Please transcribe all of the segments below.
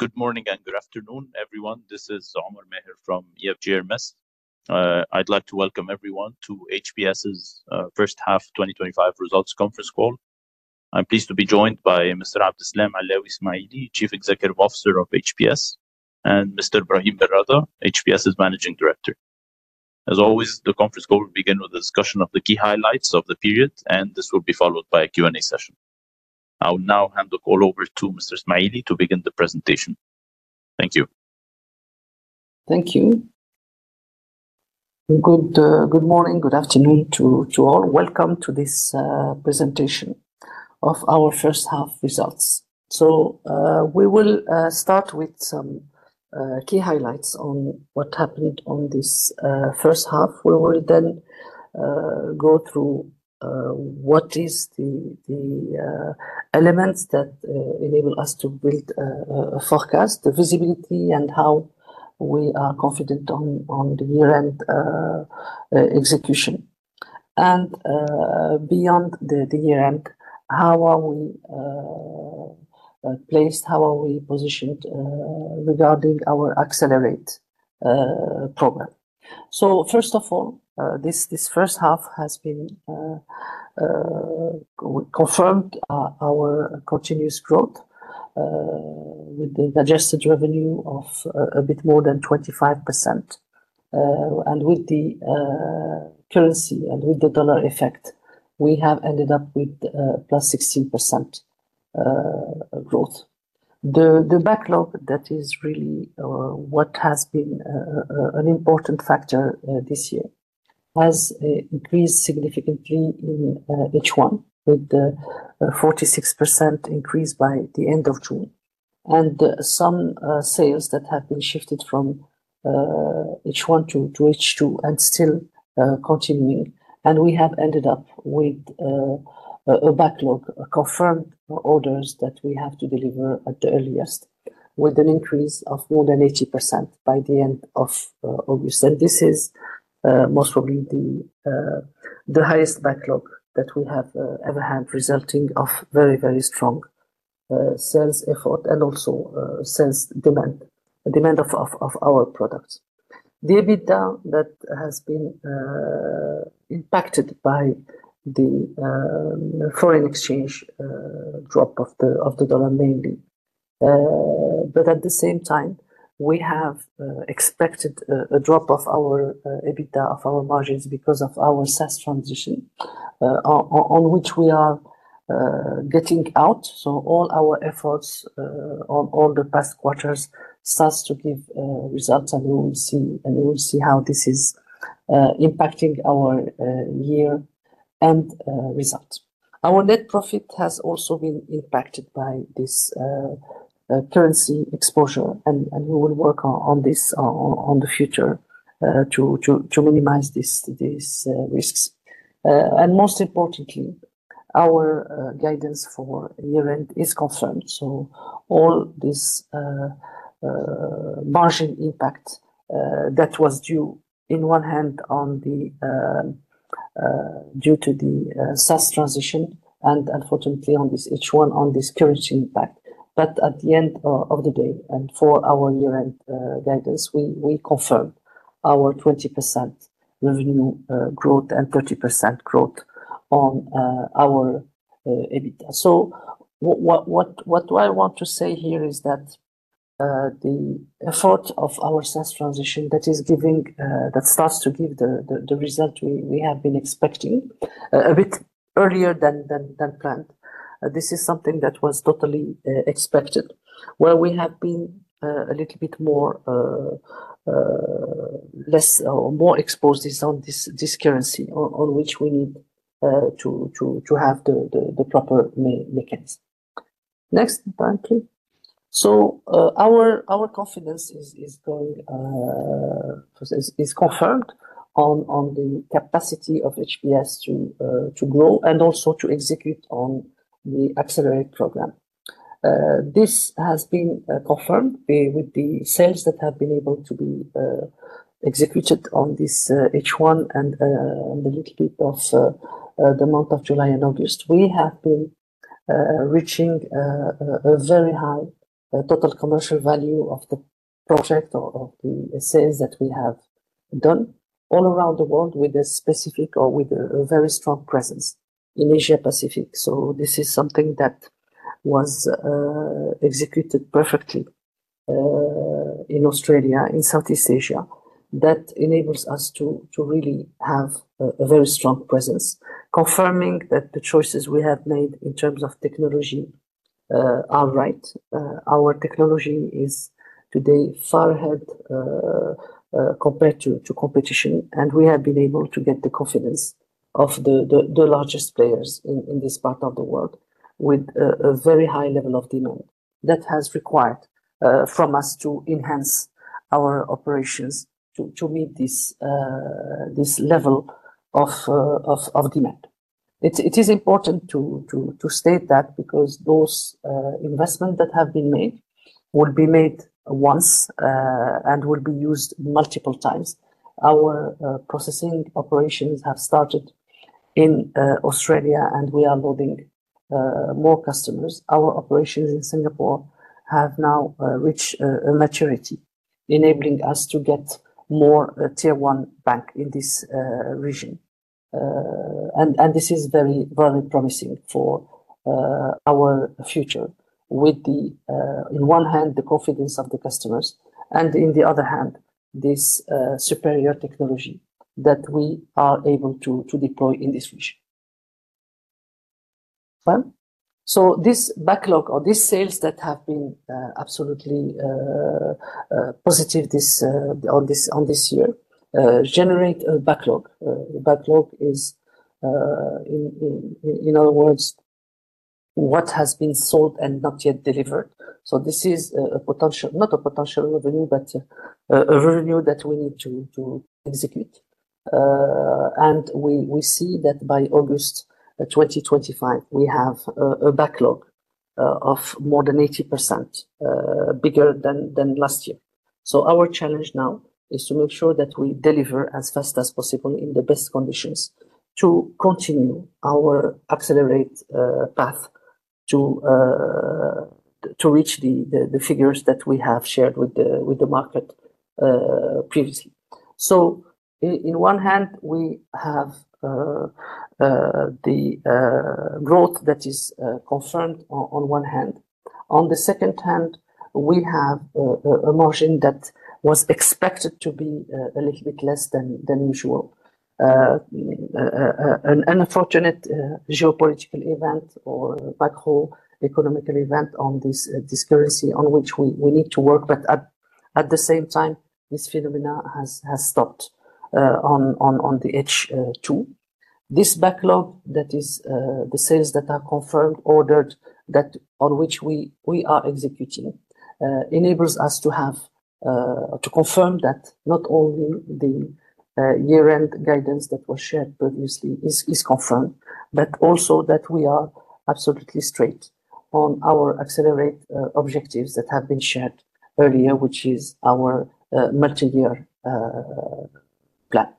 Good morning and good afternoon, everyone. This is Omar Maher from EFG Hermes. I'd like to welcome everyone to HPS's first half 2025 results conference call. I'm pleased to be joined by Mr. Abdeslam Alaoui Smaili, Chief Executive Officer of HPS, and Mr. Brahim Berrada, HPS's Managing Director. As always, the conference call will begin with a discussion of the key highlights of the period, and this will be followed by a Q&A session. I will now hand the call over to Mr. Smaili to begin the presentation. Thank you. Thank you. Good morning, good afternoon to all. Welcome to this presentation of our first half results. We will start with some key highlights on what happened in this first half. We will then go through what are the elements that enable us to build a forecast, the visibility, and how we are confident on the year-end execution. Beyond the year-end, how are we placed, how are we positioned regarding our Accelerate program? First of all, this first half has confirmed our continuous growth with the adjusted revenue of a bit more than 25%. With the currency and with the dollar effect, we have ended up with +16% growth. The backlog, that is really what has been an important factor this year, has increased significantly in H1, with a 46% increase by the end of June. Some sales have been shifted from H1 to H2 and still continuing. We have ended up with a backlog, confirmed orders that we have to deliver at the earliest, with an increase of more than 80% by the end of August. This is most probably the highest backlog that we have ever had, resulting from very, very strong sales effort and also sales demand, demand of our products. The EBITDA has been impacted by the foreign exchange drop of the dollar mainly. At the same time, we have expected a drop of our EBITDA, of our margins, because of our SaaS transition on which we are getting out. All our efforts on all the past quarters start to give results, and we will see how this is impacting our year-end results. Our net profit has also been impacted by this currency exposure, and we will work on this in the future to minimize these risks. Most importantly, our guidance for year-end is confirmed. All this margin impact was due in one hand to the SaaS transition and unfortunately in this H1, to this currency impact. At the end of the day and for our year-end guidance, we confirm our 20% revenue growth and 30% growth on our EBITDA. What I want to say here is that the effort of our SaaS transition that is giving, that starts to give the result we have been expecting a bit earlier than planned. This is something that was totally expected, where we have been a little bit more or less exposed on this currency on which we need to have the proper mechanism. Our confidence is confirmed on the capacity of HPS to grow and also to execute on the Accelerate program. This has been confirmed with the sales that have been able to be executed on this H1 and a little bit of the month of July and August. We have been reaching a very high total commercial value of the project or of the sales that we have done all around the world with a specific or with a very strong presence in Asia-Pacific. This is something that was executed perfectly in Australia, in Southeast Asia. That enables us to really have a very strong presence, confirming that the choices we have made in terms of technology are right. Our technology is today far ahead compared to competition, and we have been able to get the confidence of the largest players in this part of the world with a very high level of demand that has required from us to enhance our operations to meet this level of demand. It is important to state that because those investments that have been made will be made once and will be used multiple times. Our processing operations have started in Australia, and we are moving more customers. Our operations in Singapore have now reached a maturity, enabling us to get more tier one bank in this region. This is very, very promising for our future with, on one hand, the confidence of the customers and, on the other hand, this superior technology that we are able to deploy in this region. This backlog or these sales that have been absolutely positive on this year generate a backlog. The backlog is, in other words, what has been sold and not yet delivered. This is a potential, not a potential revenue, but a revenue that we need to execute. We see that by August 2025, we have a backlog of more than 80% bigger than last year. Our challenge now is to make sure that we deliver as fast as possible in the best conditions to continue our Accelerate path to reach the figures that we have shared with the market previously. On one hand, we have the growth that is confirmed. On the second hand, we have a margin that was expected to be a little bit less than usual. An unfortunate geopolitical event or a backhaul economic event on this currency on which we need to work. At the same time, this phenomena has stopped on the H2. This backlog that is the sales that are confirmed, ordered, that on which we are executing, enables us to confirm that not only the year-end guidance that was shared previously is confirmed, but also that we are absolutely straight on our Accelerate objectives that have been shared earlier, which is our multi-year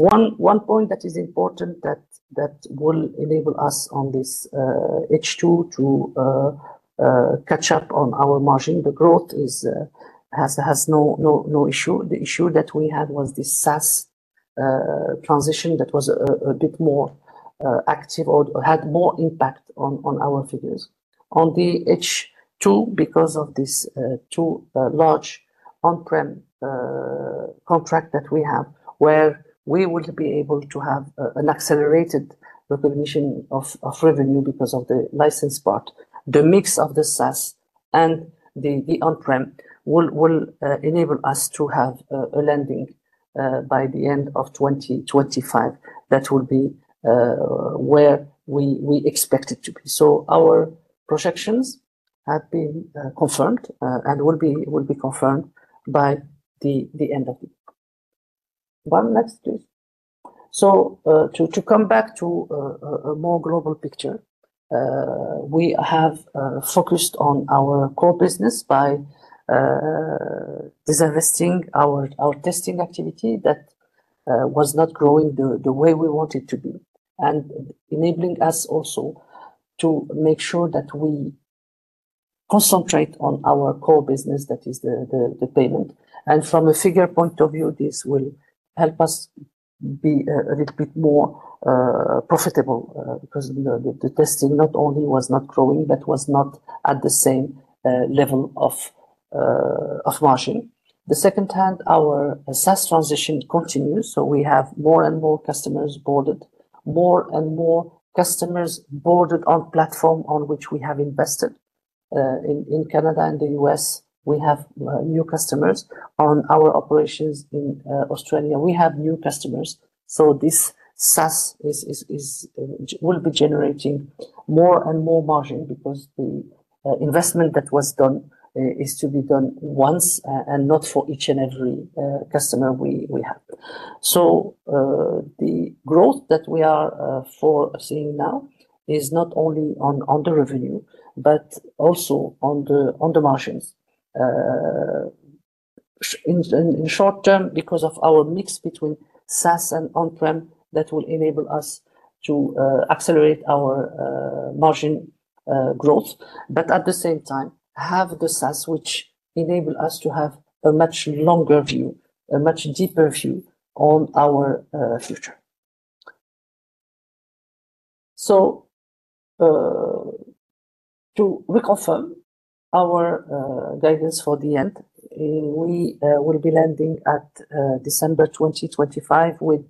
plan. One point that is important that will enable us on this H2 to catch up on our margin, the growth has no issue. The issue that we had was this SaaS transition that was a bit more active or had more impact on our figures. On the H2, because of these two large on-premises contracts that we have, where we will be able to have an accelerated recognition of revenue because of the license part, the mix of the SaaS and the on-premises will enable us to have a landing by the end of 2025. That will be where we expect it to be. Our projections have been confirmed and will be confirmed by the end of the month. Next, please. To come back to a more global picture, we have focused on our core business by divesting our testing activity that was not growing the way we want it to be and enabling us also to make sure that we concentrate on our core business, that is the payment. From a figure point of view, this will help us be a little bit more profitable because the testing not only was not growing but was not at the same level of margin. The second hand, our SaaS transition continues. We have more and more customers boarded, more and more customers boarded on platform on which we have invested. In Canada and the U.S., we have new customers. On our operations in Australia, we have new customers. This SaaS will be generating more and more margin because the investment that was done is to be done once and not for each and every customer we have. The growth that we are seeing now is not only on the revenue but also on the margins. In the short term, because of our mix between SaaS and on-premises, that will enable us to accelerate our margin growth. At the same time, we have the SaaS, which enables us to have a much longer view, a much deeper view on our future. To reconfirm our guidance for the end, we will be landing at December 2025 with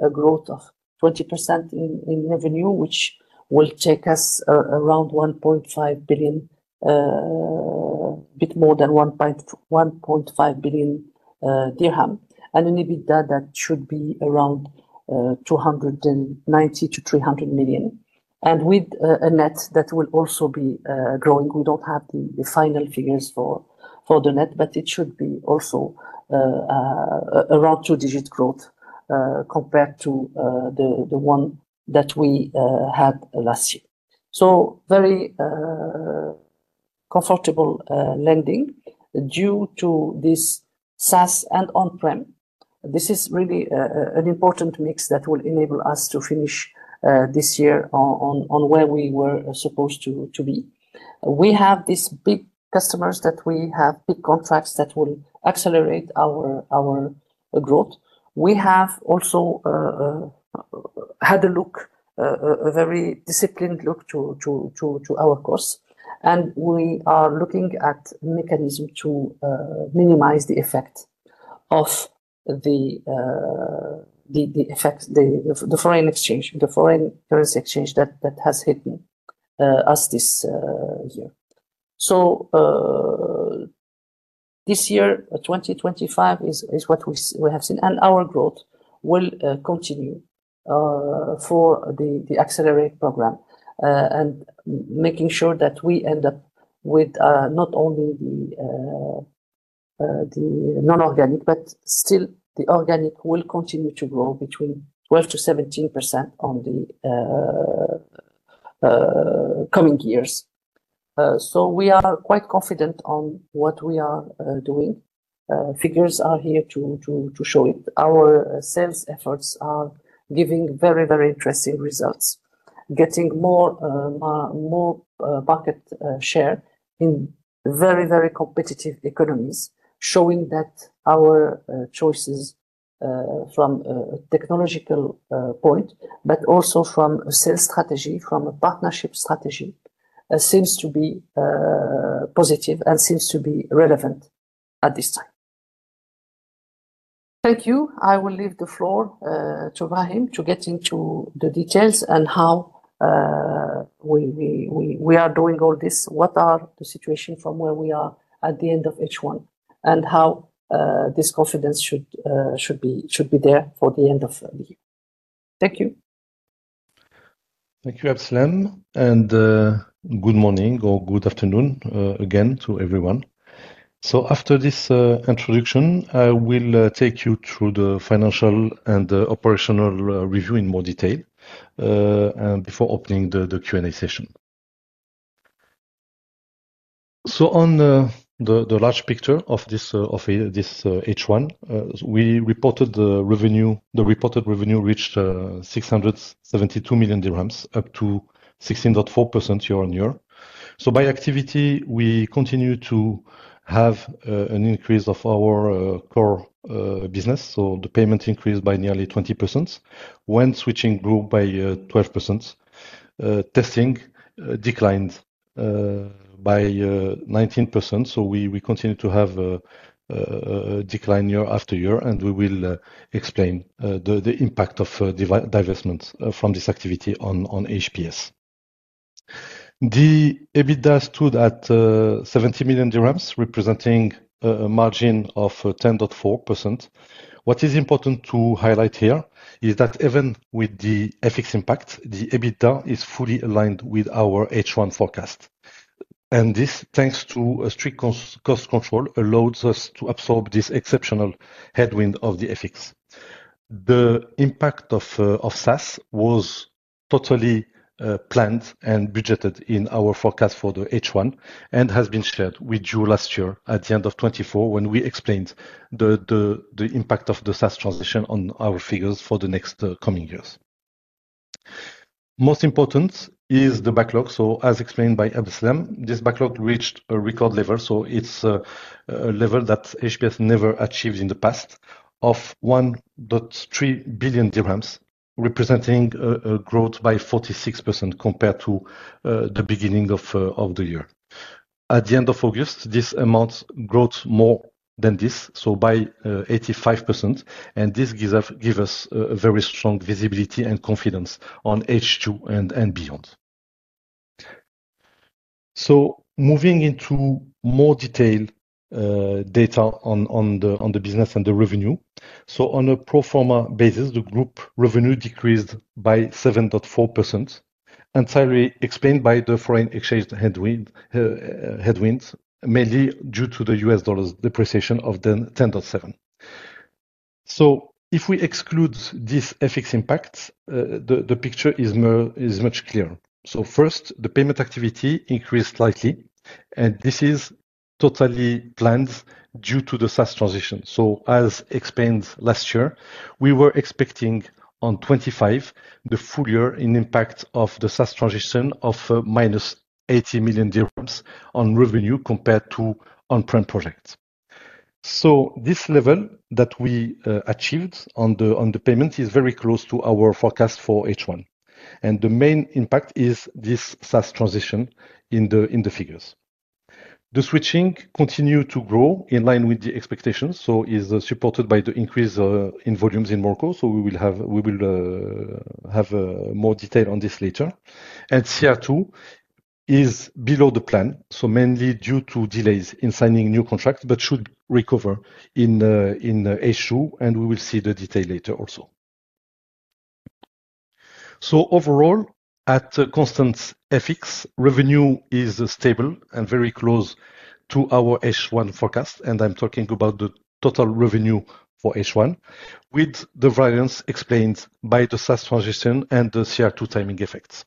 a growth of 20% in revenue, which will take us around MAD 1.5 billion, a bit more than MAD 1.5 billion. An EBITDA that should be around MAD 290 million-MAD 300 million, and with a net that will also be growing. We don't have the final figures for the net, but it should be also around two-digit growth compared to the one that we had last year. Very comfortable landing due to this SaaS and on-prem. This is really an important mix that will enable us to finish this year on where we were supposed to be. We have these big customers that we have big contracts that will accelerate our growth. We have also had a look, a very disciplined look to our costs. We are looking at mechanisms to minimize the effect of the foreign exchange, the foreign currency exchange that has hit us this year. This year, 2025 is what we have seen. Our growth will continue for the Accelerate program and making sure that we end up with not only the non-organic, but still the organic will continue to grow between 12%-17% in the coming years. We are quite confident on what we are doing. Figures are here to show it. Our sales efforts are giving very, very interesting results, getting more market share in very, very competitive economies, showing that our choices from a technological point, but also from a sales strategy, from a partnership strategy, seem to be positive and seem to be relevant at this time. Thank you. I will leave the floor to Brahim to get into the details and how we are doing all this, what are the situations from where we are at the end of H1, and how this confidence should be there for the end of the year. Thank you. Thank you, Abdeslam. Good morning or good afternoon again to everyone. After this introduction, I will take you through the financial and operational review in more detail before opening the Q&A session. On the large picture of this H1, we reported the revenue reached MAD 672 million, up 16.4% year-on-year. By activity, we continue to have an increase of our core business. The payment increased by nearly 20%, with switching group by 12%. Testing declined by 19%. We continue to have a decline year-after-year, and we will explain the impact of divestment from this activity on HPS. The EBITDA stood at MAD 70 million, representing a margin of 10.4%. What is important to highlight here is that even with the FX impact, the EBITDA is fully aligned with our H1 forecast. This, thanks to a strict cost control, allows us to absorb this exceptional headwind of the FX. The impact of SaaS was totally planned and budgeted in our forecast for the H1 and has been shared with you last year at the end of 2024 when we explained the impact of the SaaS transition on our figures for the next coming years. Most important is the backlog. As explained by Abdeslam, this backlog reached a record level. It is a level that HPS never achieved in the past of MAD 1.3 billion, representing a growth by 46% compared to the beginning of the year. At the end of August, this amount grows more than this, by 85%. This gives us a very strong visibility and confidence on H2 and beyond. Moving into more detailed data on the business and the revenue, on a pro forma basis, the group revenue decreased by 7.4%, entirely explained by the foreign exchange headwinds, mainly due to the U.S. dollar's depreciation of 10.7%. If we exclude this FX impact, the picture is much clearer. First, the payment activity increased slightly. This is totally planned due to the SaaS transition. As explained last year, we were expecting in 2025, the full year in impact of the SaaS transition of minus MAD 80 million on revenue compared to on-prem projects. This level that we achieved on the payment is very close to our forecast for H1. The main impact is this SaaS transition in the figures. The switching continues to grow in line with the expectations. It is supported by the increase in volumes in Morocco. We will have more detail on this later. CR2 is below the plan, mainly due to delays in signing new contracts, but should recover in H2. We will see the detail later also. Overall, at constant FX, revenue is stable and very close to our H1 forecast. I'm talking about the total revenue for H1 with the variance explained by the SaaS transition and the CR2 timing effects.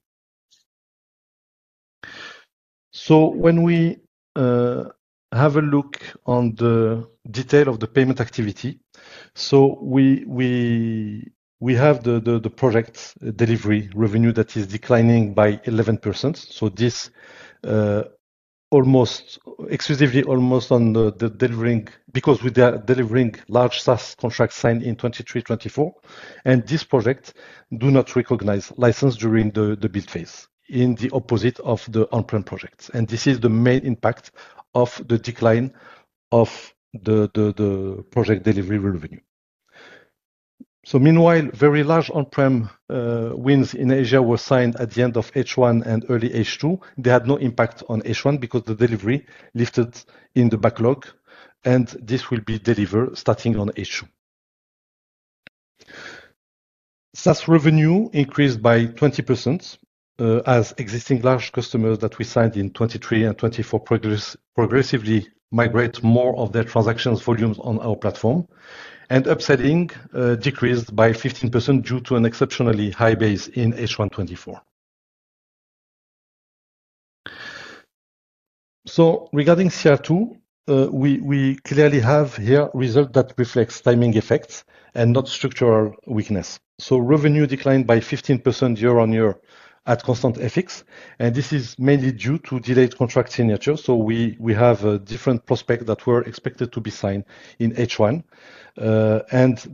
When we have a look on the detail of the payment activity, we have the project delivery revenue that is declining by 11%. This is exclusively almost on the delivering because we are delivering large SaaS contracts signed in 2023, 2024. These projects do not recognize license during the bid phase, in the opposite of the on-premises contracts. This is the main impact of the decline of the project delivery revenue. Meanwhile, very large on-premises wins in Asia-Pacific were signed at the end of H1 and early H2. They had no impact on H1 because the delivery lifted in the backlog. This will be delivered starting on H2. SaaS revenue increased by 20% as existing large customers that we signed in 2023 and 2024 progressively migrate more of their transaction volumes on our platform. Upselling decreased by 15% due to an exceptionally high base in H1 2024. Regarding CR2, we clearly have here a result that reflects timing effects and not structural weakness. Revenue declined by 15% year-on-year at constant FX. This is mainly due to delayed contract signatures. We have different prospects that were expected to be signed in H1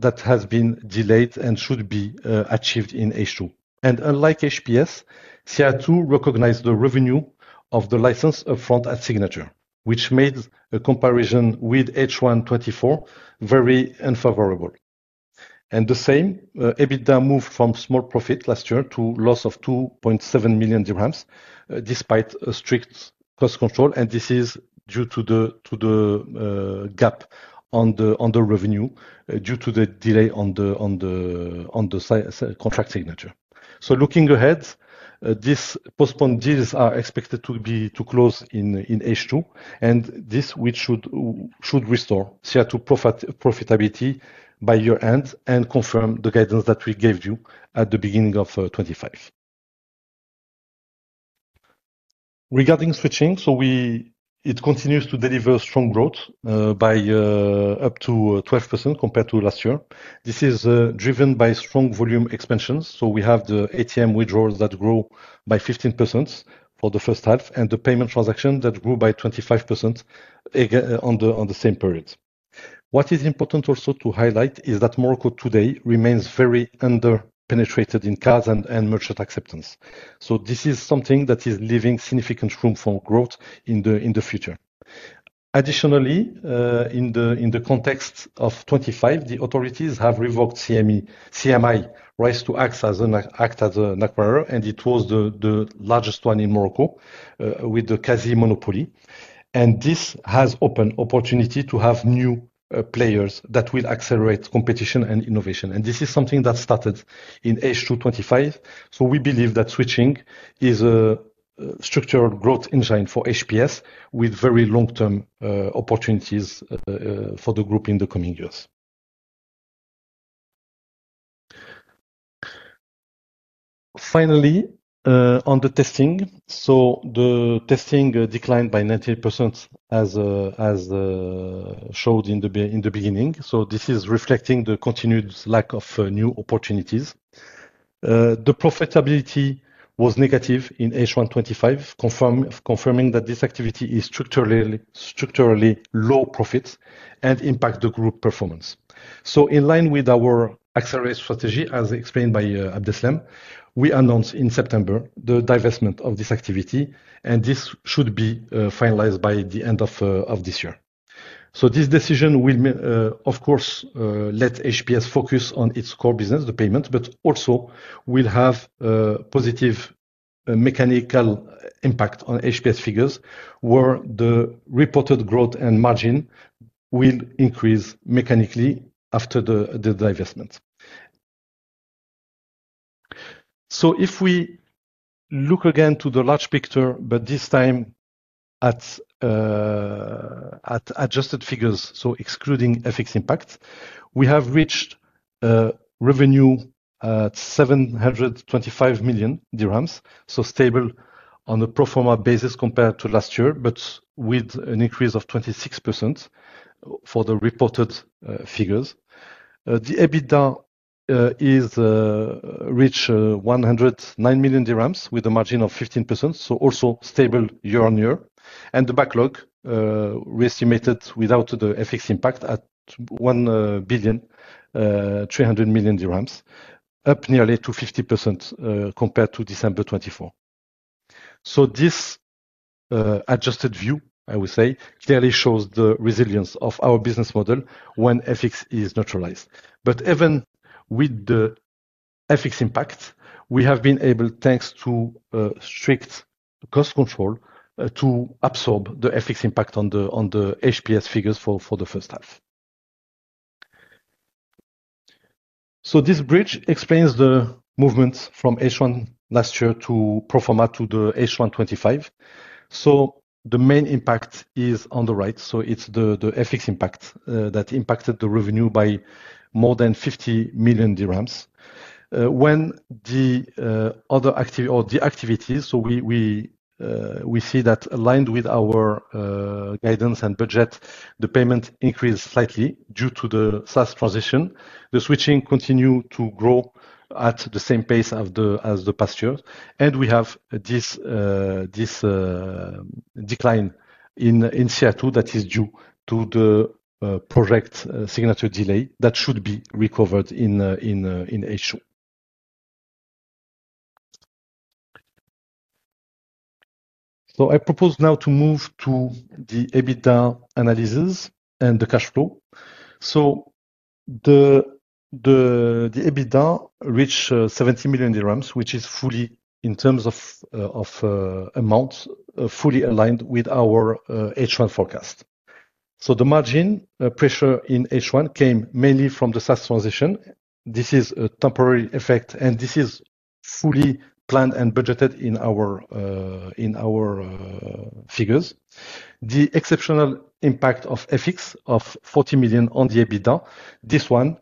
that have been delayed and should be achieved in H2. Unlike HPS, CR2 recognized the revenue of the license upfront at signature, which made a comparison with H1 2024 very unfavorable. EBITDA moved from small profit last year to loss of MAD 2.7 million despite a strict cost control. This is due to the gap on the revenue due to the delay on the contract signature. Looking ahead, these postponed deals are expected to be closed in H2, which should restore CR2 profitability by year-end and confirm the guidance that we gave you at the beginning of 2025. Regarding switching, it continues to deliver strong growth by up to 12% compared to last year. This is driven by strong volume expansions. We have the ATM withdrawals that grow by 15% for the first half and the payment transactions that grow by 25% on the same period. What is important also to highlight is that Morocco today remains very underpenetrated in cards and merchant acceptance. This is something that is leaving significant room for growth in the future. Additionally, in the context of 2025, the authorities have revoked CMI rights to act as an acquirer. It was the largest one in Morocco with the Quasi monopoly. This has opened opportunity to have new players that will accelerate competition and innovation. This is something that started in H2 2025. We believe that switching is a structural growth engine for HPS with very long-term opportunities for the group in the coming years. Finally, on the testing, the testing declined by 19% as showed in the beginning. This is reflecting the continued lack of new opportunities. The profitability was negative in H1 2025, confirming that this activity is structurally low profit and impacts the group performance. In line with our Accelerate strategy, as explained by Abdeslam, we announced in September the divestment of this activity. This should be finalized by the end of this year. This decision will, of course, let HPS focus on its core business, the payment, but also will have a positive mechanical impact on HPS figures where the reported growth and margin will increase mechanically after the divestment. If we look again to the large picture, but this time at adjusted figures, excluding FX impact, we have reached revenue at MAD 725 million, stable on a pro forma basis compared to last year, but with an increase of 26% for the reported figures. The EBITDA reached MAD 109 million with a margin of 15%, also stable year-on-year. The backlog reestimated without the FX impact at MAD 1.3 billion, up nearly 50% compared to December 2024. This adjusted view clearly shows the resilience of our business model when FX is neutralized. Even with the FX impact, we have been able, thanks to strict cost control, to absorb the FX impact on the HPS figures for the first half. This bridge explains the movement from H1 last year to pro forma to the H1 2025. The main impact is on the right. It is the FX impact that impacted the revenue by more than MAD 50 million. When the other activity or the activities, we see that aligned with our guidance and budget, the payment increased slightly due to the SaaS transition. The switching continued to grow at the same pace as the past year. We have this decline in CR2 that is due to the project signature delay that should be recovered in H2. I propose now to move to the EBITDA analysis and the cash flow. The EBITDA reached MAD 70 million, which is, in terms of amounts, fully aligned with our H1 forecast. The margin pressure in H1 came mainly from the SaaS transition. This is a temporary effect, and this is fully planned and budgeted in our figures. The exceptional impact of FX of MAD 40 million on the EBITDA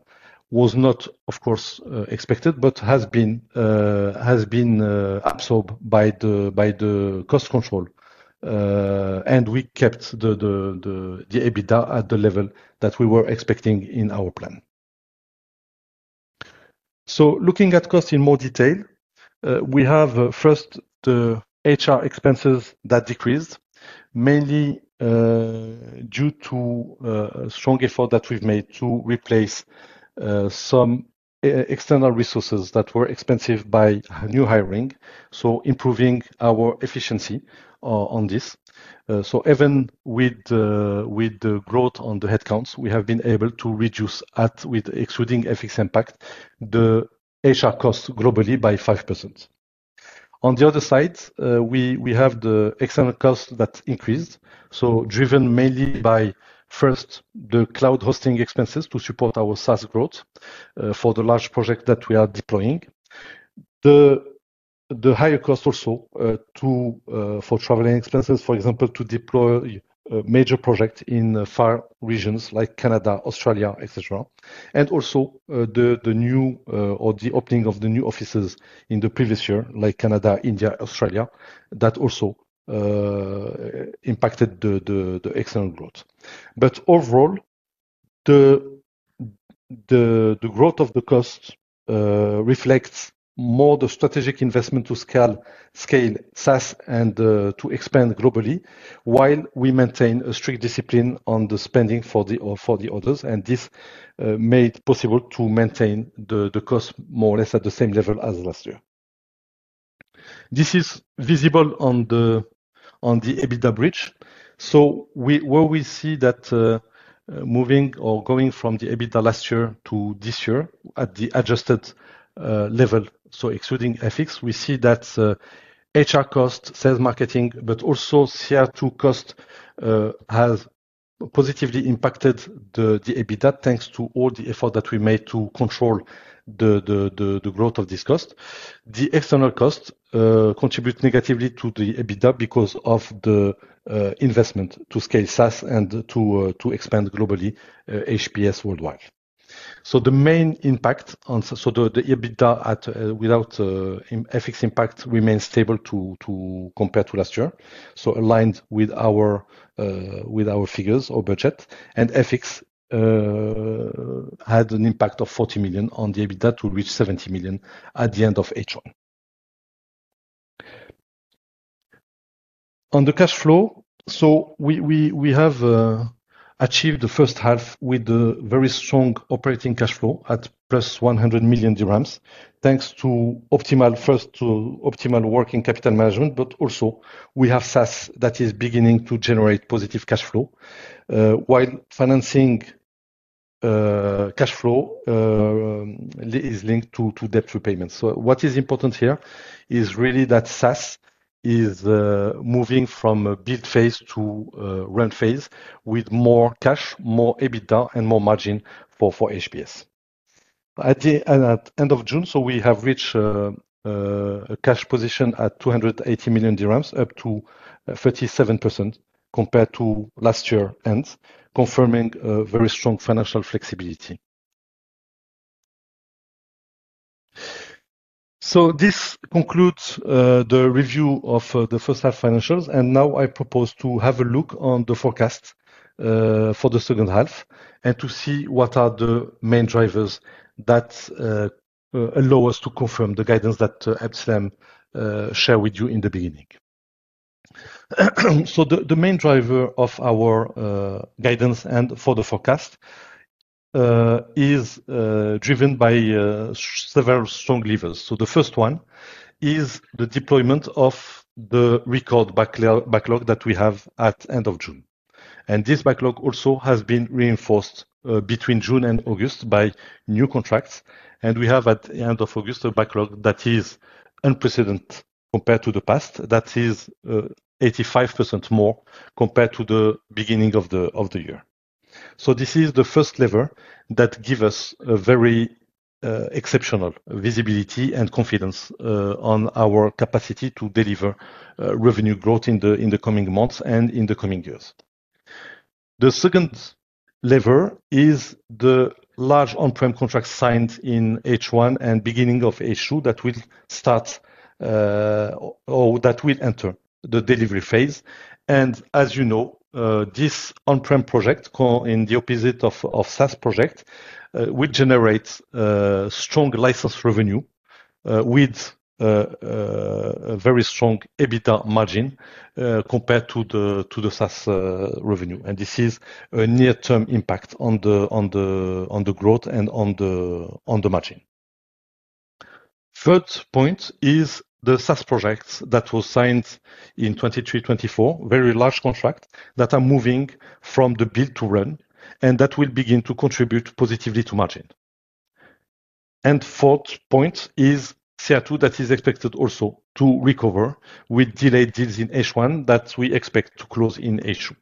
was not, of course, expected, but has been absorbed by the cost control. We kept the EBITDA at the level that we were expecting in our plan. Looking at cost in more detail, we have first the HR expenses that decreased, mainly due to a strong effort that we've made to replace some external resources that were expensive by new hiring, improving our efficiency on this. Even with the growth on the headcounts, we have been able to reduce, excluding FX impact, the HR cost globally by 5%. On the other side, we have the external costs that increased, driven mainly by the cloud hosting expenses to support our SaaS growth for the large project that we are deploying. The higher cost also for traveling expenses, for example, to deploy a major project in far regions like Canada, Australia, etc. The opening of the new offices in the previous year, like Canada, India, Australia, also impacted the external growth. Overall, the growth of the cost reflects more the strategic investment to scale SaaS and to expand globally while we maintain a strict discipline on the spending for the orders. This made it possible to maintain the cost more or less at the same level as last year. This is visible on the EBITDA bridge, where we see that moving from the EBITDA last year to this year at the adjusted level, excluding FX, we see that HR cost, sales marketing, but also CR2 cost has positively impacted the EBITDA thanks to all the effort that we made to control the growth of this cost. The external cost contributes negatively to the EBITDA because of the investment to scale SaaS and to expand globally HPS worldwide. The EBITDA without FX impact remains stable compared to last year, aligned with our figures or budget. FX had an impact of MAD 40 million on the EBITDA to reach MAD 70 million at the end of H1. On the cash flow, we have achieved the first half with a very strong operating cash flow at +MAD 100 million, thanks to optimal working capital management. We have SaaS that is beginning to generate positive cash flow while financing cash flow is linked to debt repayment. What is important here is really that SaaS is moving from a build phase to a run phase with more cash, more EBITDA, and more margin for HPS. At the end of June, we have reached a cash position at MAD 280 million, up 37% compared to last year's end, confirming very strong financial flexibility. This concludes the review of the first half financials. I propose to have a look at the forecast for the second half and to see what are the main drivers that allow us to confirm the guidance that Abdeslam shared with you in the beginning. The main driver of our guidance and for the forecast is driven by several strong levers. The first one is the deployment of the record backlog that we have at the end of June. This backlog also has been reinforced between June and August by new contracts. We have at the end of August a backlog that is unprecedented compared to the past. That is 85% more compared to the beginning of the year. This is the first lever that gives us very exceptional visibility and confidence on our capacity to deliver revenue growth in the coming months and in the coming years. The second lever is the large on-premises contracts signed in H1 and beginning of H2 that will start or that will enter the delivery phase. As you know, this on-premises project, in the opposite of SaaS project, will generate strong license revenue with a very strong EBITDA margin compared to the SaaS revenue. This is a near-term impact on the growth and on the margin. Third point is the SaaS projects that were signed in 2023, 2024, very large contracts that are moving from the build to run and that will begin to contribute positively to margin. Fourth point is CR2 Ltd. that is expected also to recover with delayed deals in H1 that we expect to close in H2.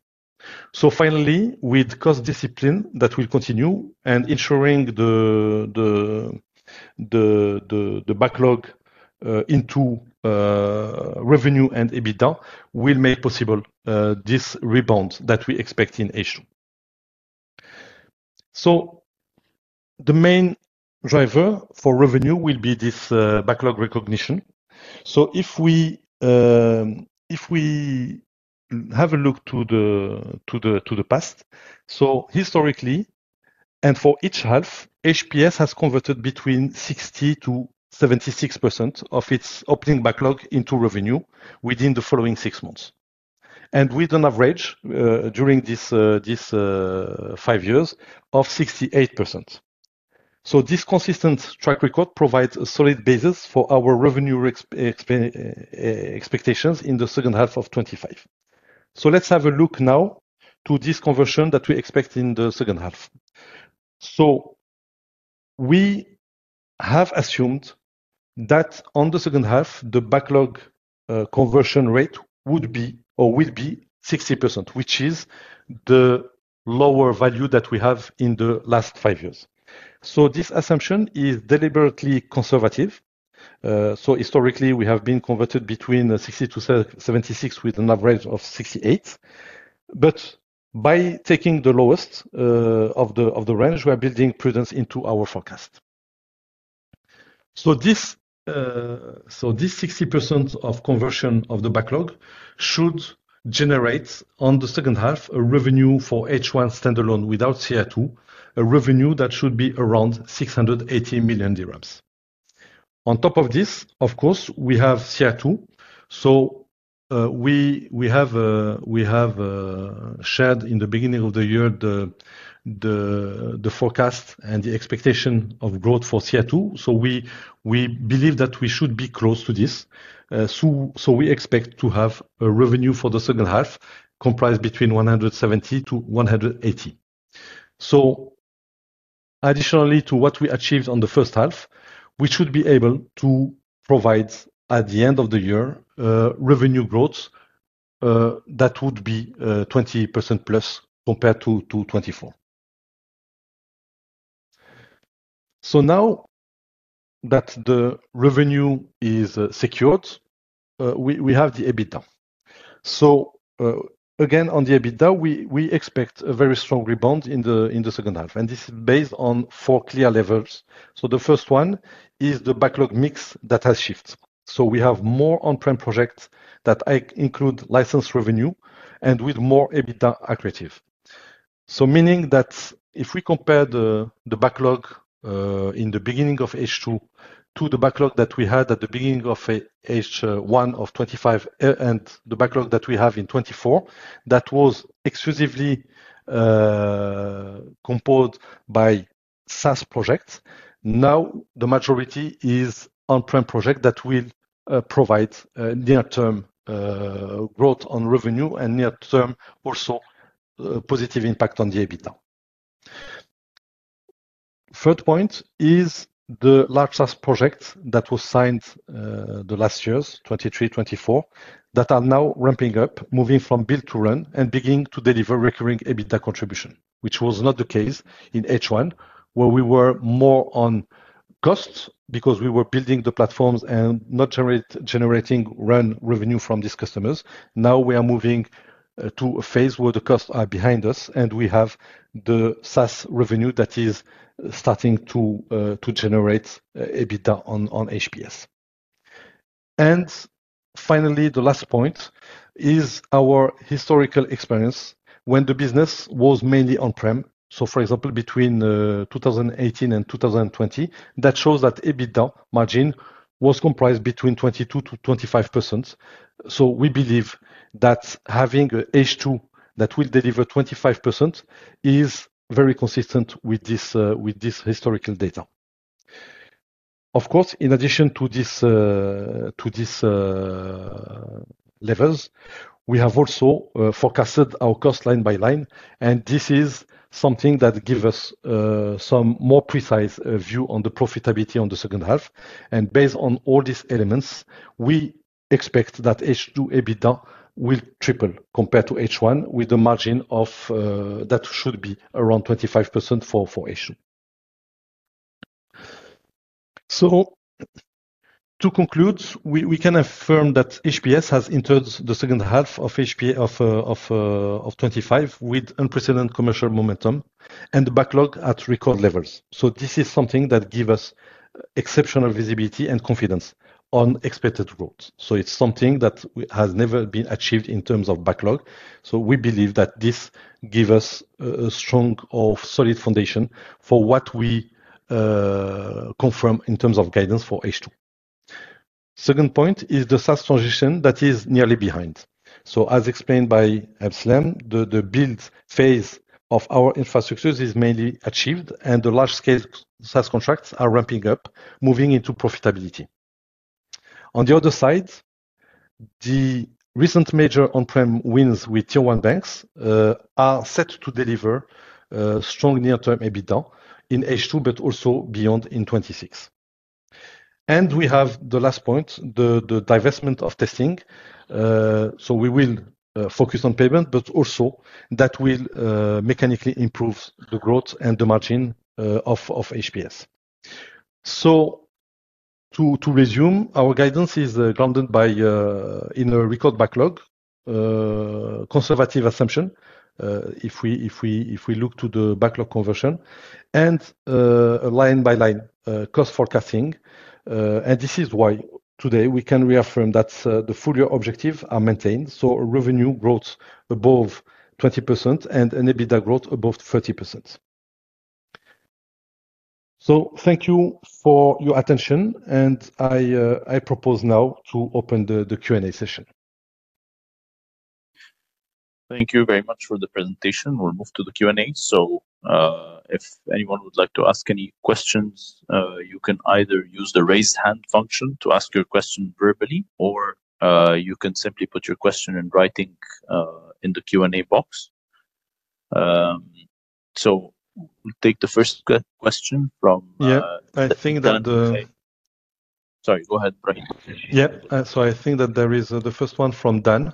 Finally, with cost discipline that will continue and ensuring the backlog into revenue and EBITDA will make possible this rebound that we expect in H2. The main driver for revenue will be this backlog recognition. If we have a look to the past, historically, and for each half, HPS has converted between 60%-76% of its opening backlog into revenue within the following six months, with an average during these five years of 68%. This consistent track record provides a solid basis for our revenue expectations in the second half of 2025. Let's have a look now at this conversion that we expect in the second half. We have assumed that in the second half, the backlog conversion rate will be 60%, which is the lower value that we have in the last five years. This assumption is deliberately conservative. Historically, we have converted between 60%-76% with an average of 68%. By taking the lowest of the range, we are building prudence into our forecast. This 60% conversion of the backlog should generate in the second half a revenue for H1 standalone without CR2, a revenue that should be around MAD 680 million. On top of this, we have CR2. We shared in the beginning of the year the forecast and the expectation of growth for CR2. We believe that we should be close to this. We expect to have a revenue for the second half comprised between MAD 170 million-MAD 180 million. Additionally to what we achieved in the first half, we should be able to provide at the end of the year revenue growth that would be 20%+ compared to 2024. Now that the revenue is secured, we have the EBITDA. Again, on the EBITDA, we expect a very strong rebound in the second half. This is based on four clear levels. The first one is the backlog mix that has shifted. We have more on-premises projects that include license revenue and with more EBITDA accuracy. Meaning that if we compare the backlog at the beginning of H2 to the backlog that we had at the beginning of H1 of 2025 and the backlog that we have in 2024, that was exclusively composed by SaaS projects, now the majority is on-premises projects that will provide near-term growth on revenue and near-term also positive impact on the EBITDA. The third point is the large SaaS projects that were signed in the last years, 2023, 2024, that are now ramping up, moving from build to run and beginning to deliver recurring EBITDA contribution, which was not the case in H1 where we were more on costs because we were building the platforms and not generating run revenue from these customers. Now we are moving to a phase where the costs are behind us and we have the SaaS revenue that is starting to generate EBITDA on HPS. Finally, the last point is our historical experience when the business was mainly on-premises. For example, between 2018 and 2020, that shows that EBITDA margin was comprised between 22%-25%. We believe that having an H2 that will deliver 25% is very consistent with this historical data. Of course, in addition to these levels, we have also forecasted our cost line by line. This is something that gives us some more precise view on the profitability on the second half. Based on all these elements, we expect that H2 EBITDA will triple compared to H1 with a margin that should be around 25% for H2. To conclude, we can affirm that HPS has entered the second half of 2025 with unprecedented commercial momentum and the backlog at record levels. This is something that gives us exceptional visibility and confidence on expected growth. It's something that has never been achieved in terms of backlog. We believe that this gives us a strong or solid foundation for what we confirm in terms of guidance for H2. The second point is the SaaS transition that is nearly behind. As explained by Abdeslam, the build phase of our infrastructures is mainly achieved and the large-scale SaaS contracts are ramping up, moving into profitability. On the other side, the recent major on-premises wins with tier-one banks are set to deliver strong near-term EBITDA in H2, but also beyond in 2026. We have the last point, the divestment of testing. We will focus on payment, but also that will mechanically improve the growth and the margin of HPS. To resume, our guidance is grounded in a record backlog, a conservative assumption if we look to the backlog conversion and line by line cost forecasting. This is why today we can reaffirm that the full-year objectives are maintained. Revenue growth above 20% and EBITDA growth above 30%. Thank you for your attention. I propose now to open the Q&A session. Thank you very much for the presentation. We'll move to the Q&A. If anyone would like to ask any questions, you can either use the raise hand function to ask your question verbally, or you can simply put your question in writing in the Q&A box. Take the first question from. Yeah, I think that the— Sorry, go ahead, Brian. Yeah, I think that there is the first one from Dan.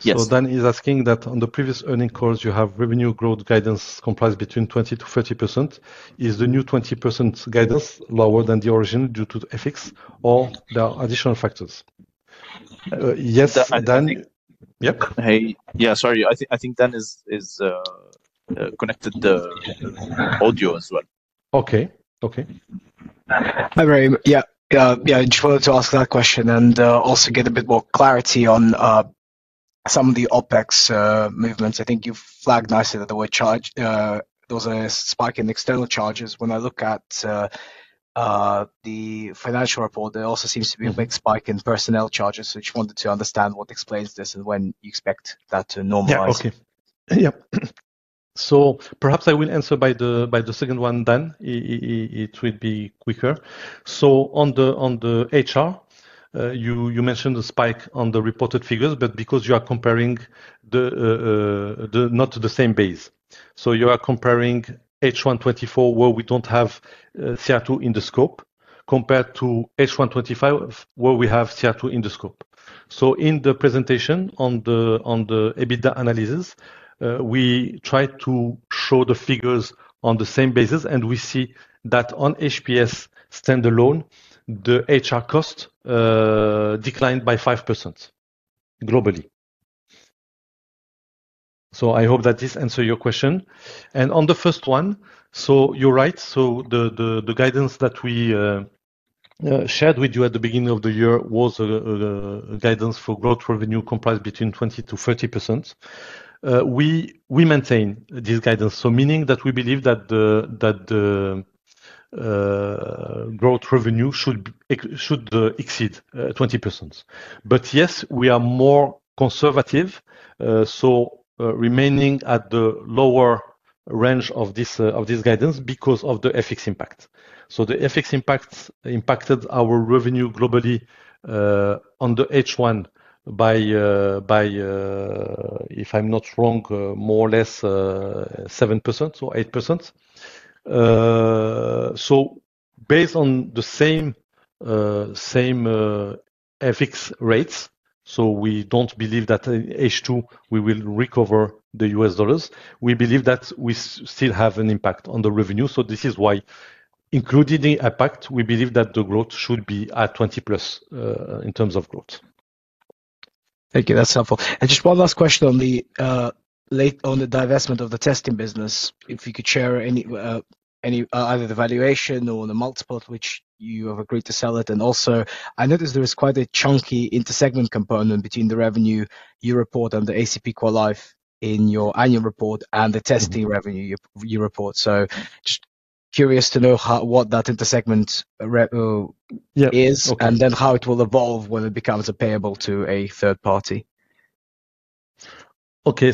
Yes. Dan is asking that on the previous earning calls, you have revenue growth guidance comprised between 20%-30%. Is the new 20% guidance lower than the original due to FX or are there additional factors? Yes, Dan. Yep. Yeah, sorry. I think Dan is connected to the audio as well. Okay. Okay. Yeah, I just wanted to ask that question and also get a bit more clarity on some of the OpEx movements. I think you flagged nicely that there were charges. There was a spike in external charges. When I look at the financial report, there also seems to be a big spike in personnel charges. I just wanted to understand what explains this and when you expect that to normalize. Yeah. Okay. Yep. Perhaps I will answer by the second one, Dan. It would be quicker. On the HR, you mentioned the spike on the reported figures because you are comparing not the same base. You are comparing H1 2024, where we don't have CR2 in the scope, compared to H1 2025, where we have CR2 in the scope. In the presentation on the EBITDA analysis, we tried to show the figures on the same basis. We see that on HPS standalone, the HR cost declined by 5% globally. I hope that this answers your question. On the first one, you're right. The guidance that we shared with you at the beginning of the year was a guidance for growth revenue comprised between 20%-30%. We maintain this guidance, meaning that we believe that the growth revenue should exceed 20%. Yes, we are more conservative, remaining at the lower range of this guidance because of the FX impact. The FX impact impacted our revenue globally on the H1 by, if I'm not wrong, more or less 7% or 8%. Based on the same FX rates, we don't believe that in H2 we will recover the U.S. dollars. We believe that we still have an impact on the revenue. This is why, including the impact, we believe that the growth should be at 20%+ in terms of growth. Thank you. That's helpful. Just one last question on the divestment of the testing business. If you could share either the valuation or the multiple to which you have agreed to sell it. I noticed there is quite a chunky intersegment component between the revenue you report on the ACPQualife in your annual report and the testing revenue you report. I'm just curious to know what that intersegment is and how it will evolve when it becomes payable to a third party. Okay.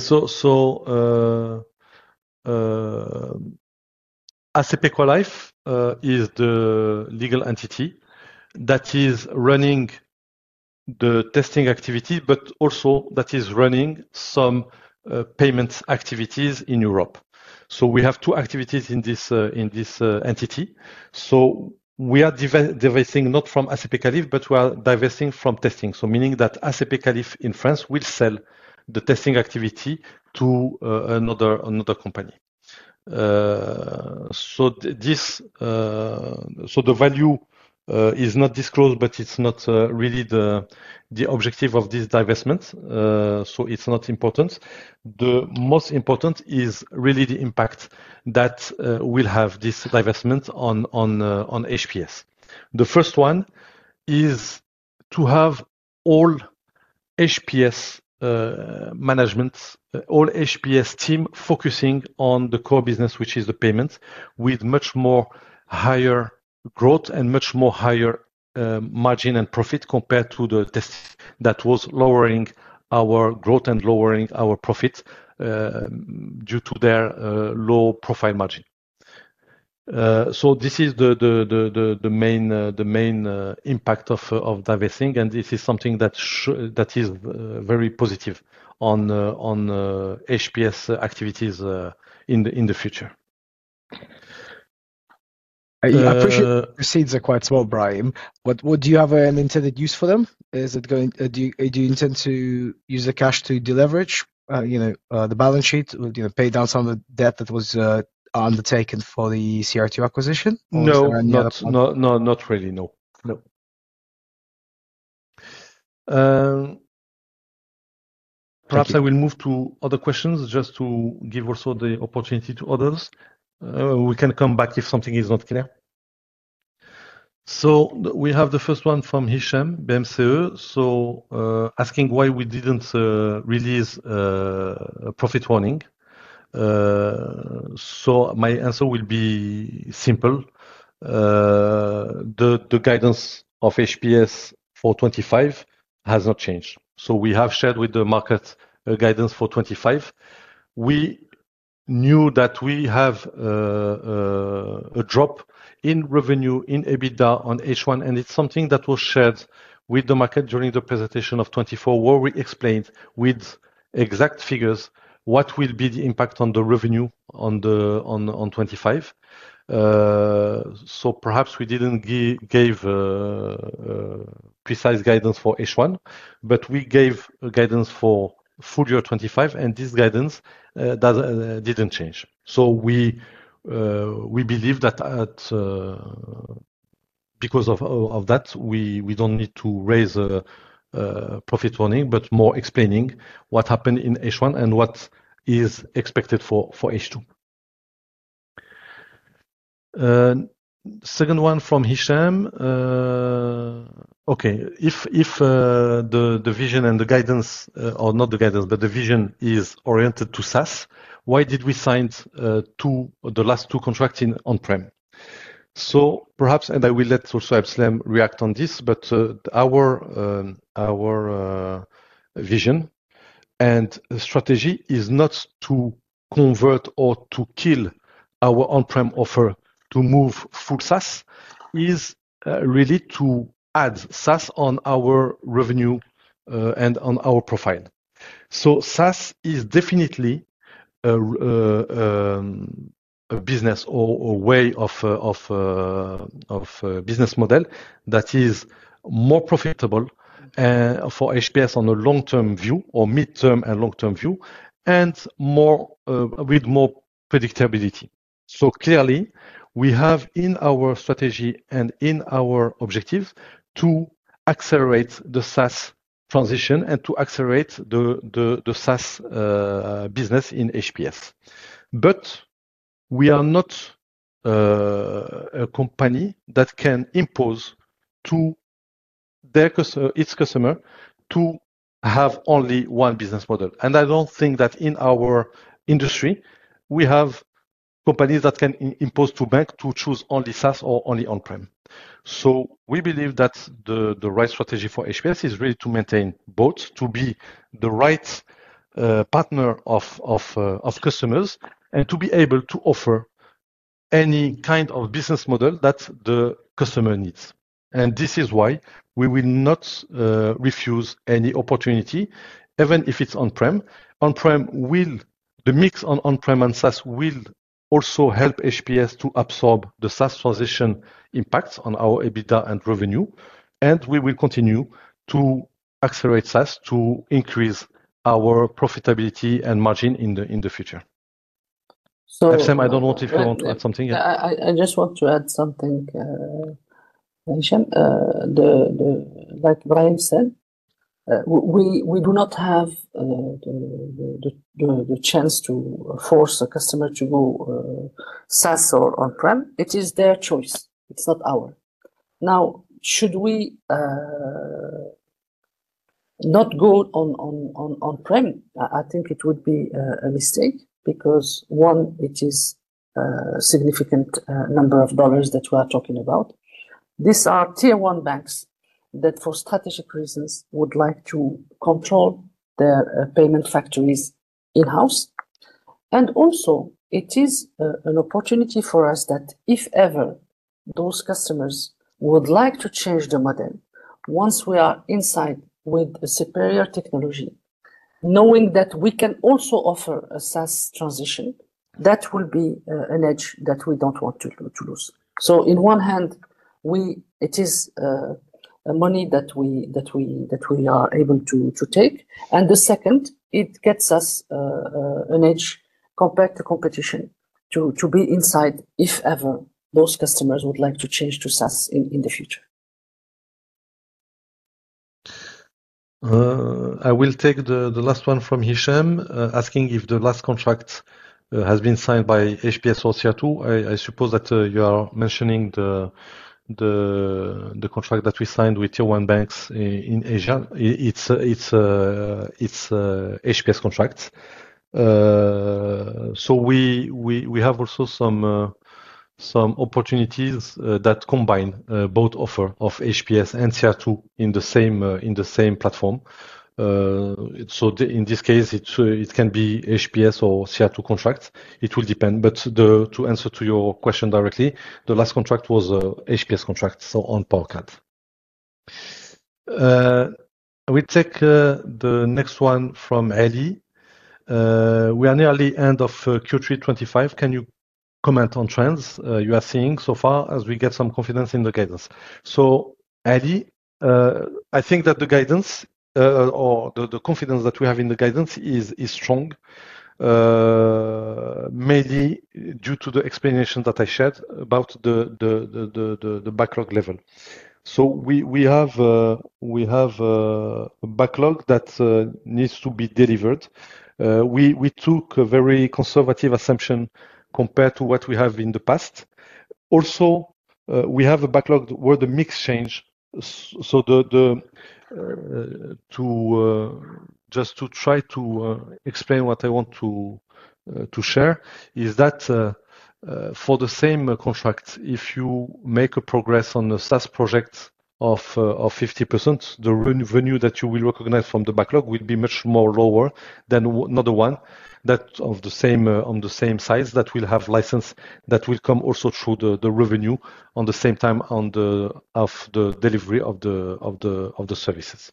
ACPQualife is the legal entity that is running the testing activity, but also that is running some payments activities in Europe. We have two activities in this entity. We are divesting not from ACPQualife, but we are divesting from testing, meaning that ACPQualife in France will sell the testing activity to another company. The value is not disclosed, but it's not really the objective of this divestment. It's not important. The most important is really the impact that will have this divestment on HPS. The first one is to have all HPS management, all HPS team focusing on the core business, which is the payments, with much more higher growth and much more higher margin and profit compared to the test that was lowering our growth and lowering our profit due to their low profile margin. This is the main impact of divesting. This is something that is very positive on HPS activities in the future. I appreciate the seeds are quite small, Brahim. Do you have an intended use for them? Is it going? Do you intend to use the cash to deleverage the balance sheet or pay down some of the debt that was undertaken for the CR2 acquisition? No, not really, no. No. Perhaps I will move to other questions just to give also the opportunity to others. We can come back if something is not clear. We have the first one from Hicham, BMCE, asking why we didn't release a profit warning. My answer will be simple. The guidance of HPS for 2025 has not changed. We have shared with the market guidance for 2025. We knew that we have a drop in revenue and EBITDA on H1, and it's something that was shared with the market during the presentation of 2024, where we explained with exact figures what will be the impact on the revenue on 2025. Perhaps we didn't give precise guidance for H1, but we gave guidance for full year 2025, and this guidance didn't change. We believe that because of that, we don't need to raise a profit warning, but more explaining what happened in H1 and what is expected for H2. Second one from Hicham. If the vision and the guidance, or not the guidance, but the vision is oriented to SaaS, why did we sign the last two contracts on-prem? Perhaps, and I will let also Abdeslam react on this, but our vision and strategy is not to convert or to kill our on-prem offer to move full SaaS. It is really to add SaaS on our revenue and on our profile. SaaS is definitely a business or a way of business model that is more profitable for HPS on a long-term view or mid-term and long-term view and with more predictability. Clearly, we have in our strategy and in our objectives to accelerate the SaaS transition and to accelerate the SaaS business in HPS. We are not a company that can impose to its customer to have only one business model. I don't think that in our industry, we have companies that can impose to a bank to choose only SaaS or only on-prem. We believe that the right strategy for HPS is really to maintain both, to be the right partner of customers, and to be able to offer any kind of business model that the customer needs. This is why we will not refuse any opportunity, even if it's on-prem. The mix on-prem and SaaS will also help HPS to absorb the SaaS transition impacts on our EBITDA and revenue. We will continue to accelerate SaaS to increase our profitability and margin in the future. Abdeslam, I don't know if you want to add something. I just want to add something. Like Brian said, we do not have the chance to force the customer to go SaaS or on-prem. It is their choice. It's not ours. Now, should we not go on-prem? I think it would be a mistake because, one, it is a significant number of dollars that we are talking about. These are tier one banks that for strategic reasons would like to control their payment factories in-house. It is also an opportunity for us that if ever those customers would like to change the model, once we are inside with a superior technology, knowing that we can also offer a SaaS transition, that will be an edge that we don't want to lose. On one hand, it is money that we are able to take. The second, it gets us an edge compared to competition to be inside if ever those customers would like to change to SaaS in the future. I will take the last one from Hicham, asking if the last contract has been signed by HPS or CR2. I suppose that you are mentioning the contract that we signed with tier-one banks in Asia-Pacific. It's HPS contracts. We have also some opportunities that combine both offers of HPS and CR2 in the same platform. In this case, it can be HPS or CR2 contracts. It will depend. To answer your question directly, the last contract was an HPS contract, so on PowerCARD. I will take the next one from Ali. We are nearly at the end of Q3 2025. Can you comment on trends you are seeing so far as we get some confidence in the guidance? Ali, I think that the guidance or the confidence that we have in the guidance is strong, mainly due to the explanation that I shared about the backlog level. We have a backlog that needs to be delivered. We took a very conservative assumption compared to what we have in the past. We have a backlog where the mix changed. Just to try to explain what I want to share is that for the same contract, if you make a progress on the SaaS projects of 50%, the revenue that you will recognize from the backlog will be much lower than another one of the same size that will have license that will come also through the revenue at the same time of the delivery of the services.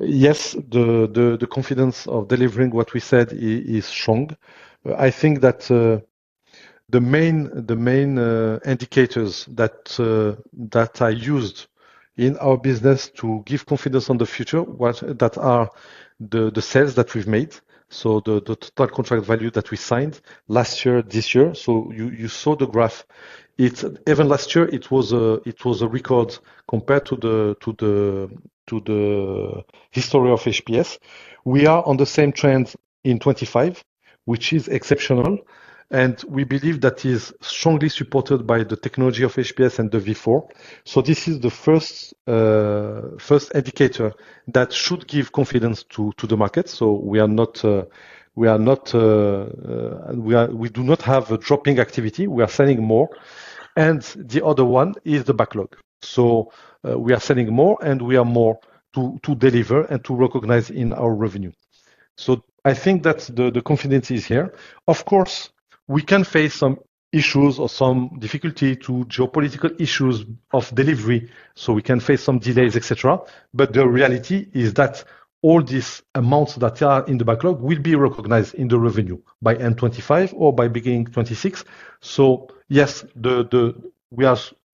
Yes, the confidence of delivering what we said is strong. I think that the main indicators that are used in our business to give confidence on the future are the sales that we've made. The total contract value that we signed last year, this year. You saw the graph. Even last year, it was a record compared to the history of HPS. We are on the same trend in 2025, which is exceptional. We believe that is strongly supported by the technology of HPS and the V4. This is the first indicator that should give confidence to the market. We do not have a dropping activity. We are selling more. The other one is the backlog. We are selling more and we are more to deliver and to recognize in our revenue. I think that the confidence is here. Of course, we can face some issues or some difficulty due to geopolitical issues of delivery. We can face some delays, etc. The reality is that all these amounts that are in the backlog will be recognized in the revenue by end 2025 or by beginning 2026. Yes,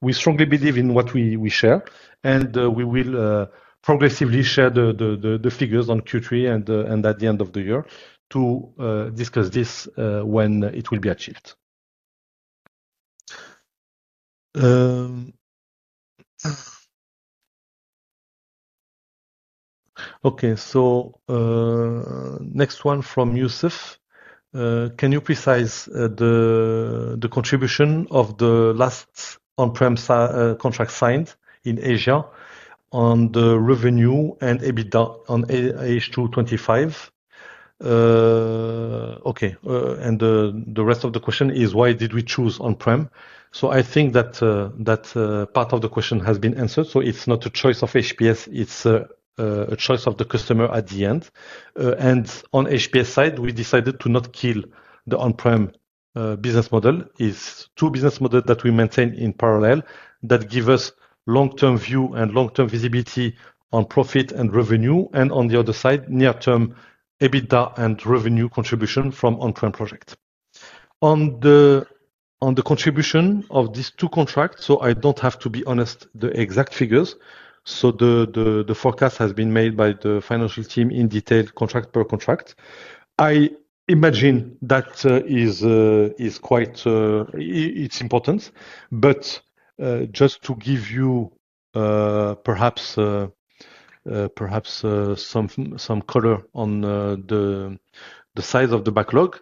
we strongly believe in what we share. We will progressively share the figures on Q3 and at the end of the year to discuss this when it will be achieved. Next one from Youssef. Can you precise the contribution of the last on-prem contract signed in Asia on the revenue and EBITDA on H2 2025? The rest of the question is, why did we choose on-prem? I think that part of the question has been answered. It's not a choice of HPS. It's a choice of the customer at the end. On HPS side, we decided to not kill the on-prem business model. It's two business models that we maintain in parallel that give us long-term view and long-term visibility on profit and revenue. On the other side, near-term EBITDA and revenue contribution from on-prem projects. On the contribution of these two contracts, I don't have, to be honest, the exact figures. The forecast has been made by the financial team in detail contract per contract. I imagine that is quite, it's important. Just to give you perhaps some color on the size of the backlog,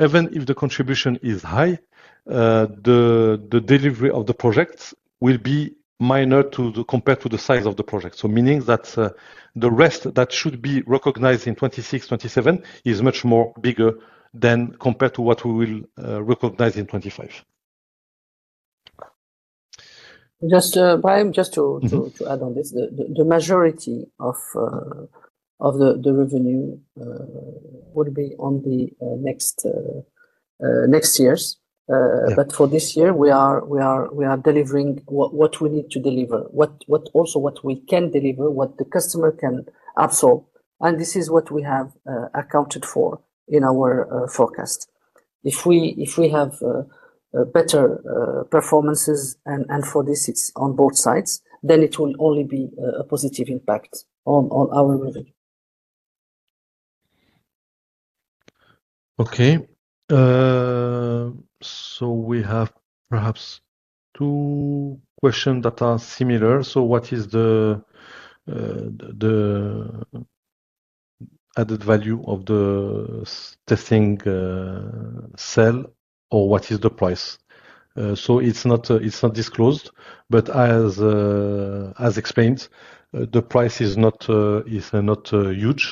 even if the contribution is high, the delivery of the projects will be minor compared to the size of the project. Meaning that the rest that should be recognized in 2026, 2027 is much bigger than compared to what we will recognize in 2025. Brahim, just to add on this, the majority of the revenue will be on the next years. For this year, we are delivering what we need to deliver, also what we can deliver, what the customer can absorb. This is what we have accounted for in our forecast. If we have better performances, and for this, it's on both sides, it will only be a positive impact on our revenue. Okay. We have perhaps two questions that are similar. What is the added value of the testing sell or what is the price? It's not disclosed, but as explained, the price is not huge.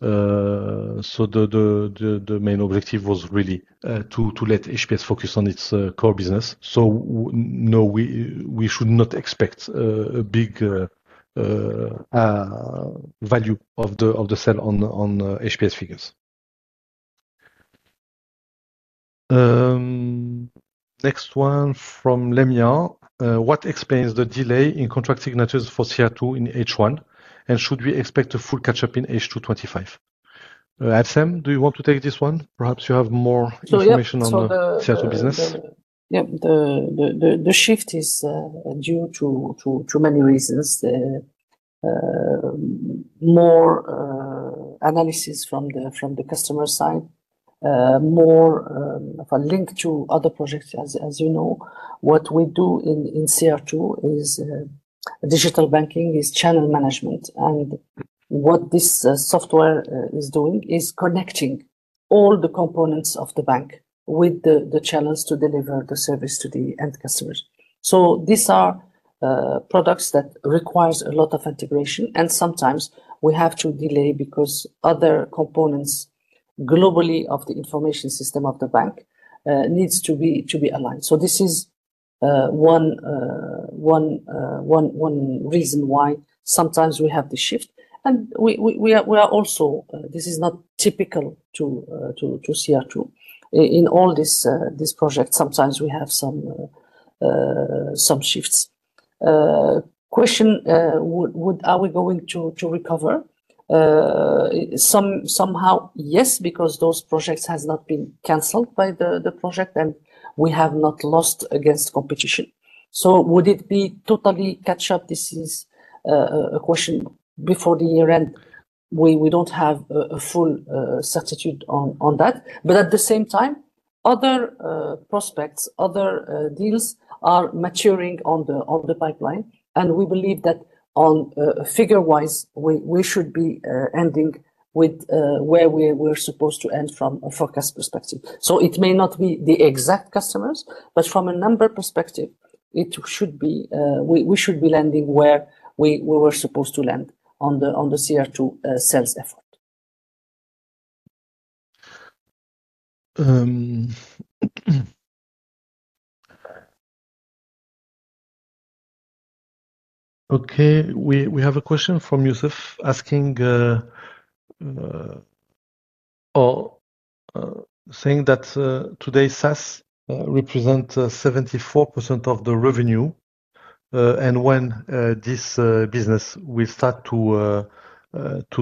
The main objective was really to let HPS focus on its core business. No, we should not expect a big value of the sell on HPS figures. Next one from Lamiae. What explains the delay in contract signatures for CR2 in H1? Should we expect a full catch-up in H2 2025? Abdeslam, do you want to take this one? Perhaps you have more information on the CR2 business. Yeah. The shift is due to many reasons. More analysis from the customer side, more of a link to other projects. As you know, what we do in CR2 is digital banking, is channel management. What this software is doing is connecting all the components of the bank with the channels to deliver the service to the end customers. These are products that require a lot of integration. Sometimes, we have to delay because other components globally of the information system of the bank need to be aligned. This is one reason why sometimes we have to shift. This is not typical to CR2 in all these projects, sometimes we have some shifts. Question, are we going to recover? Somehow, yes, because those projects have not been canceled by the project and we have not lost against competition. Would it be totally catch-up? This is a question before the year-end. We don't have a full certitude on that. At the same time, other prospects, other deals are maturing on the pipeline. We believe that on figure-wise, we should be ending with where we were supposed to end from a forecast perspective. It may not be the exact customers, but from a number perspective, we should be landing where we were supposed to land on the CR2 sales effort. Okay. We have a question from Youssef asking or saying that today SaaS represents 74% of the revenue and when this business will start to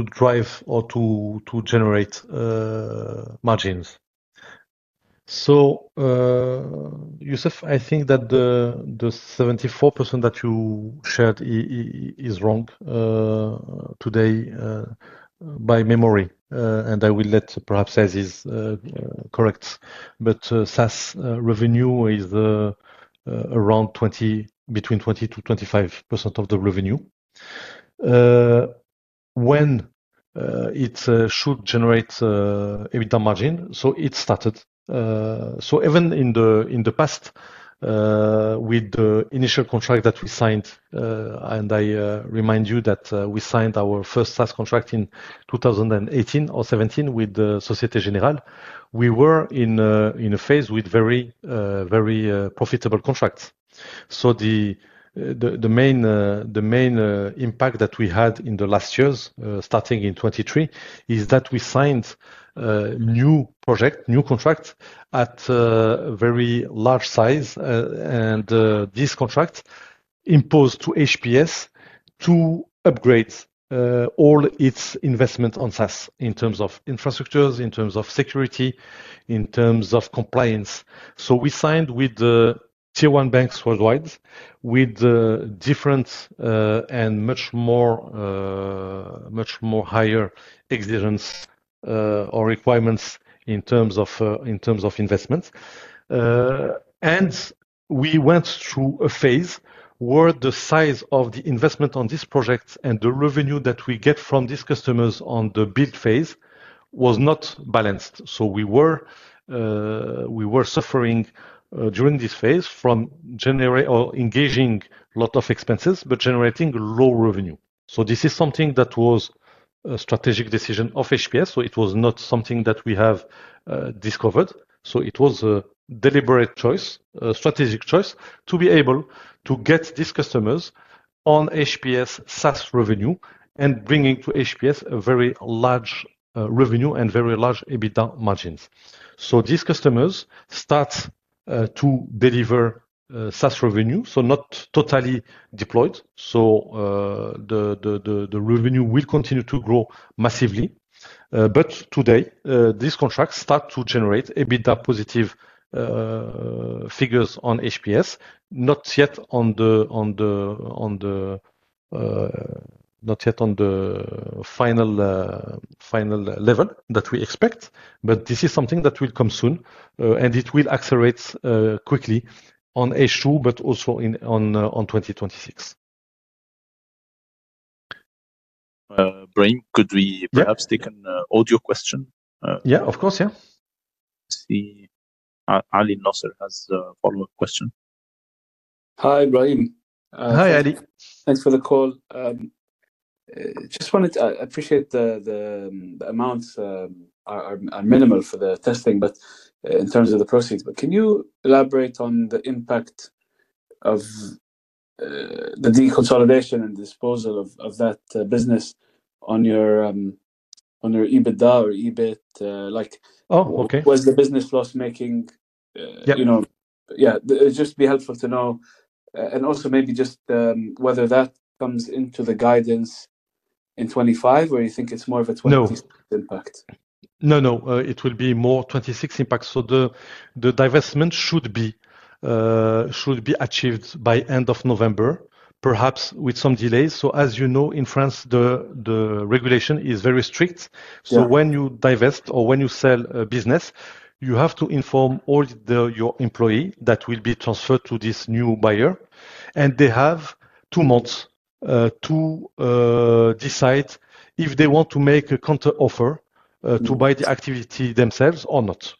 drive or to generate margins. Youssef, I think that the 74% that you shared is wrong today by memory. I will let perhaps Aziz correct. SaaS revenue is around between 20%-25% of the revenue when it should generate EBITDA margin. It started. Even in the past, with the initial contract that we signed, and I remind you that we signed our first SaaS contract in 2018 or 2017 with Société Générale, we were in a phase with very, very profitable contracts. The main impact that we had in the last years, starting in 2023, is that we signed new projects, new contracts at a very large size. This contract imposed to HPS to upgrade all its investments on SaaS in terms of infrastructures, in terms of security, in terms of compliance. We signed with the tier one banks worldwide with different and much more higher exigences or requirements in terms of investments. We went through a phase where the size of the investment on this project and the revenue that we get from these customers on the build phase was not balanced. We were suffering during this phase from engaging a lot of expenses but generating low revenue. This is something that was a strategic decision of HPS. It was not something that we have discovered. It was a deliberate choice, a strategic choice to be able to get these customers on HPS SaaS revenue and bringing to HPS a very large revenue and very large EBITDA margins. These customers start to deliver SaaS revenue, not totally deployed. The revenue will continue to grow massively. Today, these contracts start to generate EBITDA positive figures on HPS, not yet on the final level that we expect. This is something that will come soon. It will accelerate quickly on H2, also on 2026. Brahim, could we perhaps take an audio question? Yeah, of course. I see Ali Alnasser has a follow-up question. Hi, Brahim. Hi, Ali. Thanks for the call. Just wanted to appreciate the amounts are minimal for the testing, in terms of the proceeds. Can you elaborate on the impact of the deconsolidation and disposal of that business on your EBITDA or EBIT? Was the business loss-making? Yeah. It would just be helpful to know, also maybe just whether that comes into the guidance in 2025, where you think it's more of a 2026. No, no. It will be more 2026 impact. The divestment should be achieved by the end of November, perhaps with some delays. As you know, in France, the regulation is very strict. When you divest or when you sell a business, you have to inform all your employees that will be transferred to this new buyer, and they have two months to decide if they want to make a counter offer to buy the activity themselves or not.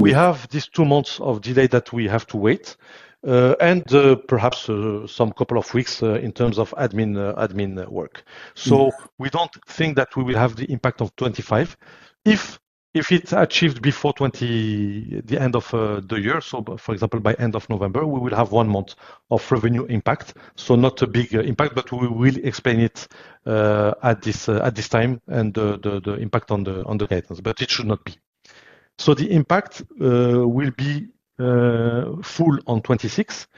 We have these two months of delay that we have to wait and perhaps a couple of weeks in terms of admin work. We don't think that we will have the impact in 2025. If it's achieved before the end of the year, for example, by the end of November, we will have one month of revenue impact. Not a big impact, but we will explain it at this time and the impact on the guidance. It should not be. The impact will be full on 2026.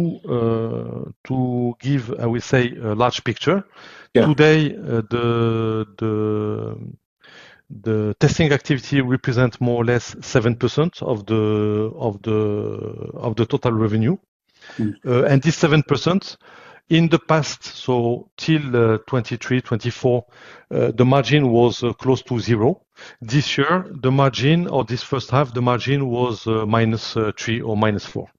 To give, I will say, a large picture, today, the testing activity represents more or less 7% of The total revenue, and this 7% in the past, so till 2023, 2024, the margin was close to zero. This year, the margin of this first half, the margin was -3% or -4%.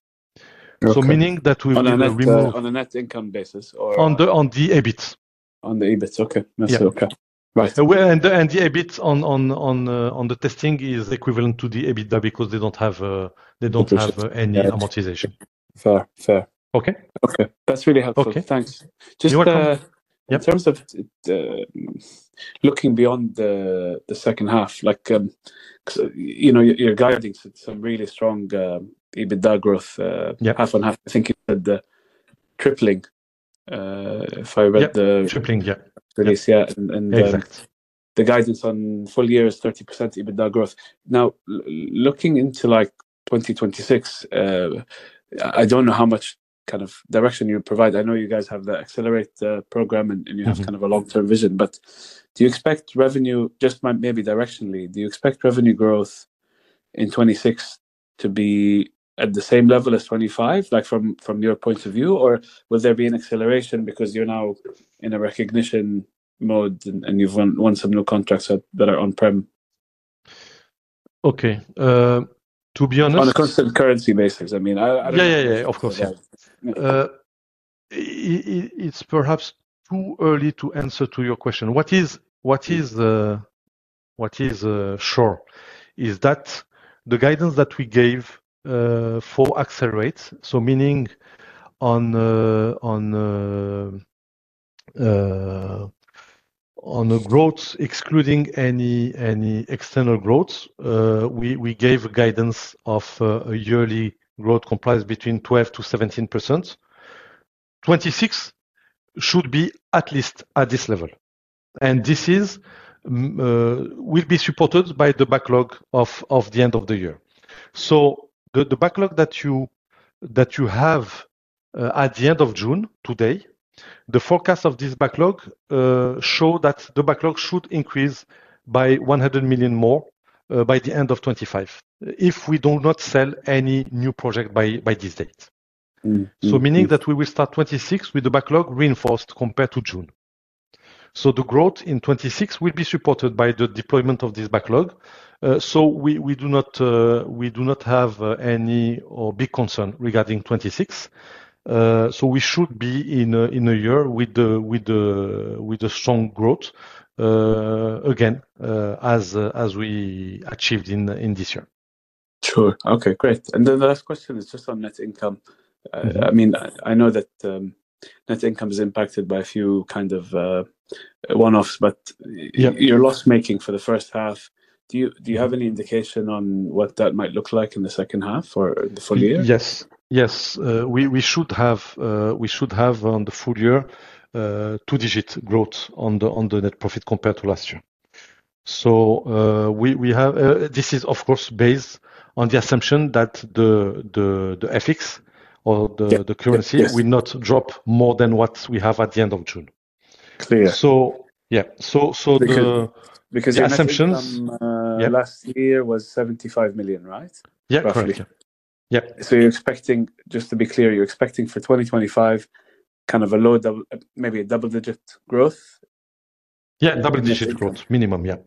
Meaning that we will remove. On a net income basis or? On the EBIT. On the EBIT, okay. Right. The EBIT on the testing is equivalent to the EBITDA because they don't have any amortization. Fair. Fair. Okay. Okay, that's really helpful. Okay. Thanks. Just in terms of looking beyond the second half, like you know your guidance had some really strong EBITDA growth. Half and half, I think you said the tripling. If I read the. Tripling, yeah. Release, yeah. Exactly. The guidance on full year is 30% EBITDA growth. Now, looking into like 2026, I don't know how much kind of direction you provide. I know you guys have the Accelerate program and you have kind of a long-term vision. Do you expect revenue just maybe directionally, do you expect revenue growth in 2026 to be at the same level as 2025 like from your point of view? Will there be an acceleration because you're now in a recognition mode and you've won some new contracts that are on-prem? Okay, to be honest. On a constant currency basis, I mean. Of course, yeah. It's perhaps too early to answer to your question. What is sure is that the guidance that we gave for Accelerate, meaning on growth excluding any external growth, we gave a guidance of a yearly growth comprised between 12%-17%. 2026 should be at least at this level. This will be supported by the backlog of the end of the year. The backlog that you have at the end of June today, the forecast of this backlog shows that the backlog should increase by $100 million more by the end of 2025 if we do not sell any new project by this date. This means that we will start 2026 with the backlog reinforced compared to June. The growth in 2026 will be supported by the deployment of this backlog. We do not have any big concern regarding 2026. We should be in a year with a strong growth again as we achieved in this year. Sure. Okay. Great. The last question is just on net income. I know that net income is impacted by a few kind of one-offs, but you're loss-making for the first half. Do you have any indication on what that might look like in the second half or the full year? Yes, we should have on the full year two-digit growth on the net profit compared to last year. This is, of course, based on the assumption that the FX or the currency will not drop more than what we have at the end of June. Clear. Yeah. The assumptions. Because your income last year was MAD 75 million, right? Yeah, roughly. Yeah. You're expecting, just to be clear, you're expecting for 2025 kind of a low maybe a double-digit growth? Yeah, double-digit growth minimum, yeah.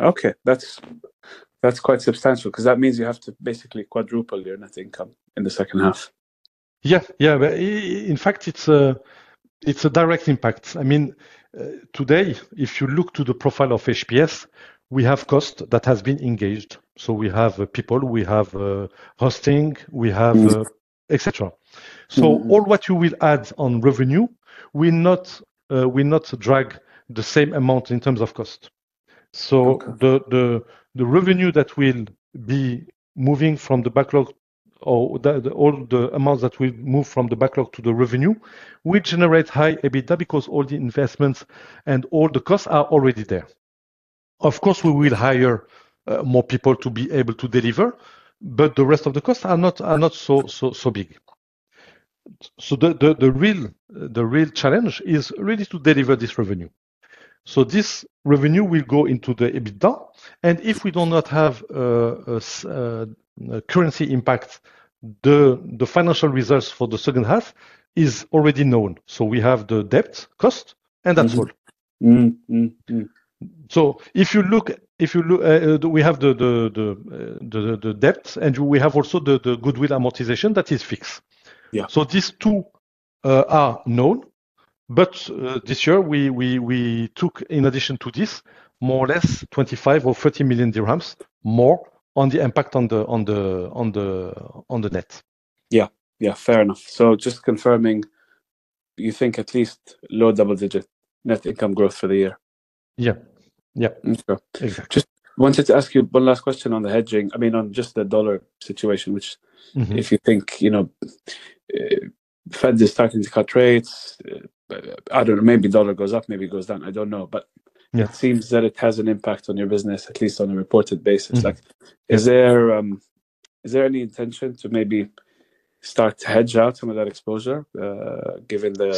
Okay. That's quite substantial because that means you have to basically quadruple your net income in the second half. Yeah. Yeah. In fact, it's a direct impact. I mean, today, if you look to the profile of HPS, we have cost that has been engaged. We have people, we have hosting, we have, etc. All what you will add on revenue will not drag the same amount in terms of cost. The revenue that will be moving from the backlog or all the amounts that will move from the backlog to the revenue will generate high EBITDA because all the investments and all the costs are already there. Of course, we will hire more people to be able to deliver, but the rest of the costs are not so big. The real challenge is really to deliver this revenue. This revenue will go into the EBITDA. If we do not have a currency impact, the financial results for the second half are already known. We have the debt cost and that's all. If you look, we have the debt and we have also the goodwill amortization that is fixed. These two are known. This year, we took in addition to this more or less MAD 25 million or MAD 30 million more on the impact on the net. Yeah. Fair enough. Just confirming, you think at least low double-digit net income growth for the year? Yeah. Yeah, that's fair. Exactly. Just wanted to ask you one last question on the hedging. I mean, on just the dollar situation, which if you think, you know, Fed is starting to cut rates, I don't know, maybe dollar goes up, maybe it goes down. I don't know. It seems that it has an impact on your business, at least on a reported basis. Is there any intention to maybe start to hedge out some of that exposure given the?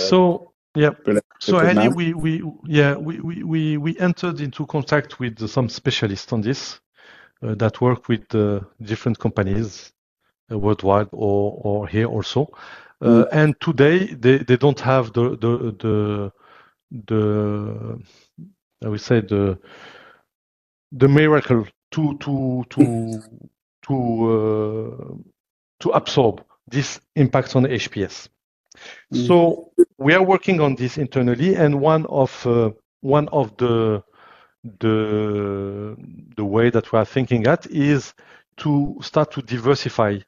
We entered into contact with some specialists on this that work with different companies worldwide or here also. Today, they don't have the, I would say, the miracle to absorb this impact on HPS. We are working on this internally. One of the ways that we are thinking at is to start to diversify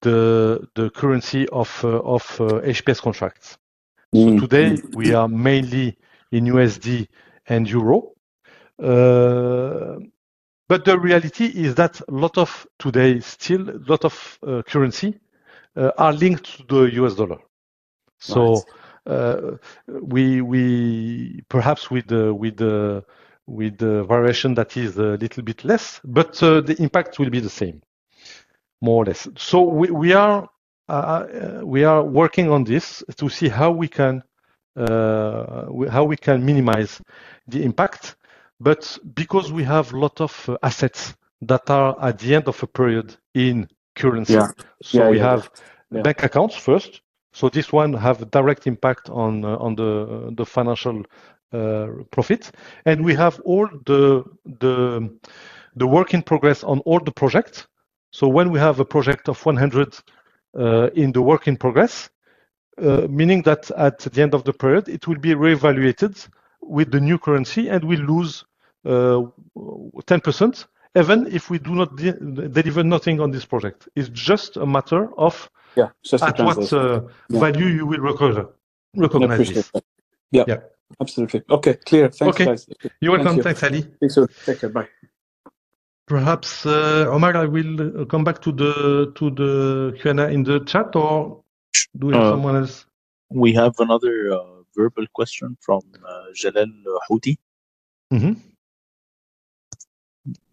the currency of HPS contracts. Today, we are mainly in USD and euro. The reality is that a lot of today, still a lot of currency are linked to the US dollar. Perhaps with the variation that is a little bit less, the impact will be the same, more or less. We are working on this to see how we can minimize the impact. Because we have a lot of assets that are at the end of a period in currency, we have bank accounts first. This one has a direct impact on the financial profits. We have all the work in progress on all the projects. When we have a project of $100 in the work in progress, meaning that at the end of the period, it will be reevaluated with the new currency and we'll lose 10% even if we do not deliver nothing on this project. It's just a matter of. Yeah, just in terms of. At what value you will recommend? Yeah, absolutely. Okay, clear. Thanks, guys. Okay, you're welcome. Thanks, Ali. Thanks, everyone. Take care. Bye. Perhaps Omar, I will come back to the Q&A in the chat or do it someone else? We have another verbal question from Jalal Houti.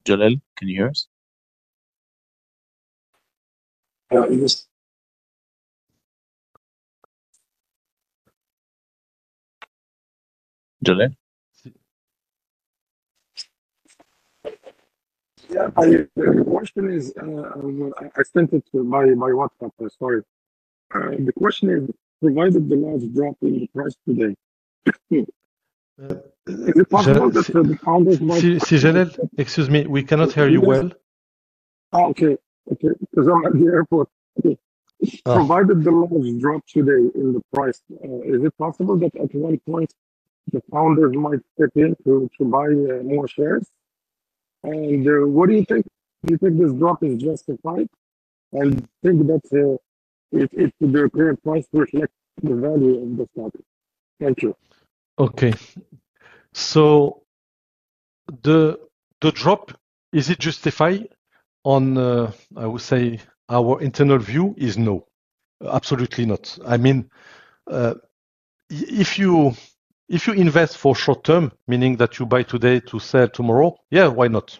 Jalal, can you hear us? Yes. Jalal? The question is, I sent it to my WhatsApp. I'm sorry. The question is, provided the large drop in the price today, is it possible that the founders might? Excuse me, we cannot hear you well. Okay. Provided the large drop today in the price, is it possible that at one point the founders might step in to buy more shares? What do you think? Do you think this drop is justified? Do you think that the current price reflects the value of the stock? Thank you. Okay. So the drop, is it justified on, I would say, our internal view is no. Absolutely not. I mean, if you invest for short term, meaning that you buy today to sell tomorrow, yeah, why not?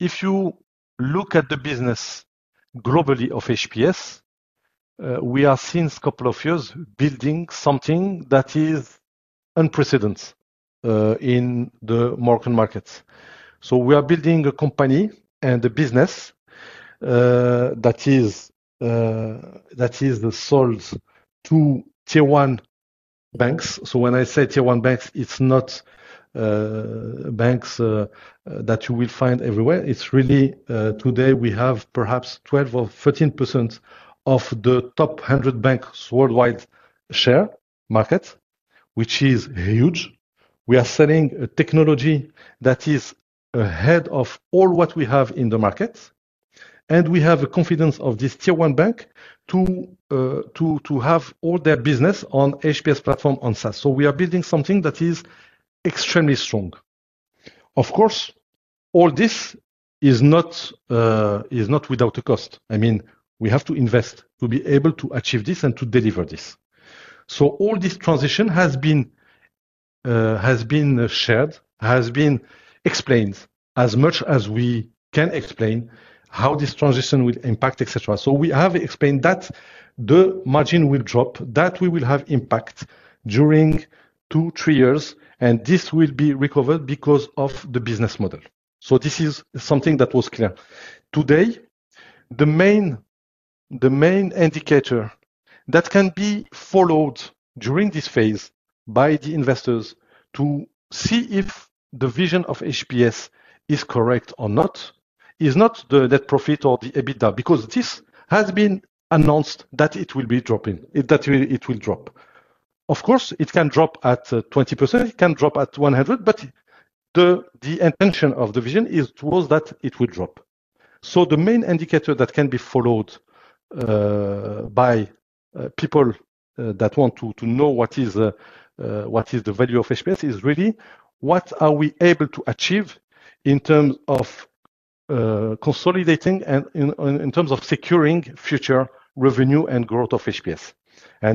If you look at the business globally of HPS, we are since a couple of years building something that is unprecedented in the market. We are building a company and a business that is sold to tier-one banks. When I say tier-one banks, it's not banks that you will find everywhere. It's really, today, we have perhaps 12% or 13% of the top 100 banks worldwide share market, which is huge. We are selling a technology that is ahead of all what we have in the market. We have a confidence of this tier-one bank to have all their business on HPS platform on SaaS. We are building something that is extremely strong. Of course, all this is not without a cost. We have to invest to be able to achieve this and to deliver this. All this transition has been shared, has been explained as much as we can explain how this transition will impact, etc. We have explained that the margin will drop, that we will have impact during two, three years, and this will be recovered because of the business model. This is something that was clear. Today, the main indicator that can be followed during this phase by the investors to see if the vision of HPS is correct or not is not the net profit or the EBITDA because this has been announced that it will be dropping, that it will drop. Of course, it can drop at 20%. It can drop at 100. The intention of the vision was that it will drop. The main indicator that can be followed by people that want to know what is the value of HPS is really what are we able to achieve in terms of consolidating and in terms of securing future revenue and growth of HPS.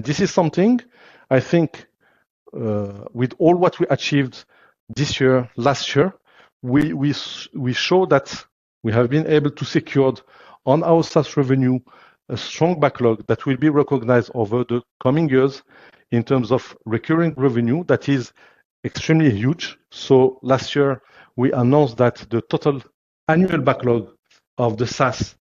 This is something I think with all what we achieved this year, last year, we show that we have been able to secure on our SaaS revenue a strong backlog that will be recognized over the coming years in terms of recurring revenue that is extremely huge. Last year, we announced that the total annual backlog of the SaaS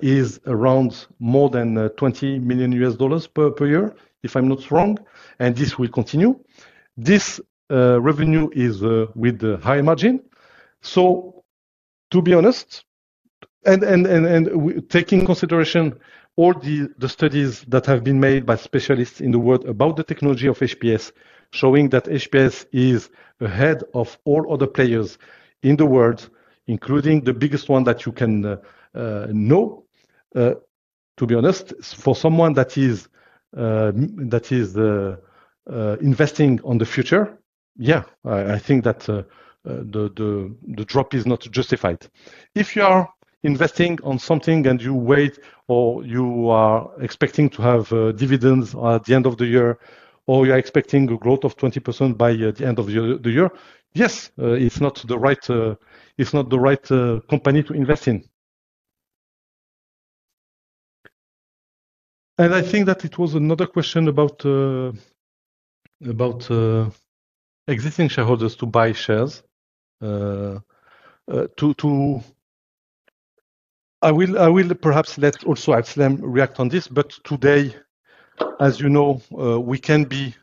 is around more than MAD 20 million/year, if I'm not wrong. This will continue. This revenue is with the high margin. To be honest, and taking into consideration all the studies that have been made by specialists in the world about the technology of HPS, showing that HPS is ahead of all other players in the world, including the biggest one that you can know, to be honest, for someone that is investing on the future, yeah, I think that the drop is not justified. If you are investing on something and you wait or you are expecting to have dividends at the end of the year or you're expecting a growth of 20% by the end of the year, yes, it's not the right company to invest in. I think that it was another question about existing shareholders to buy shares. I will perhaps let also Abdeslam react on this. Today, as you know, we can be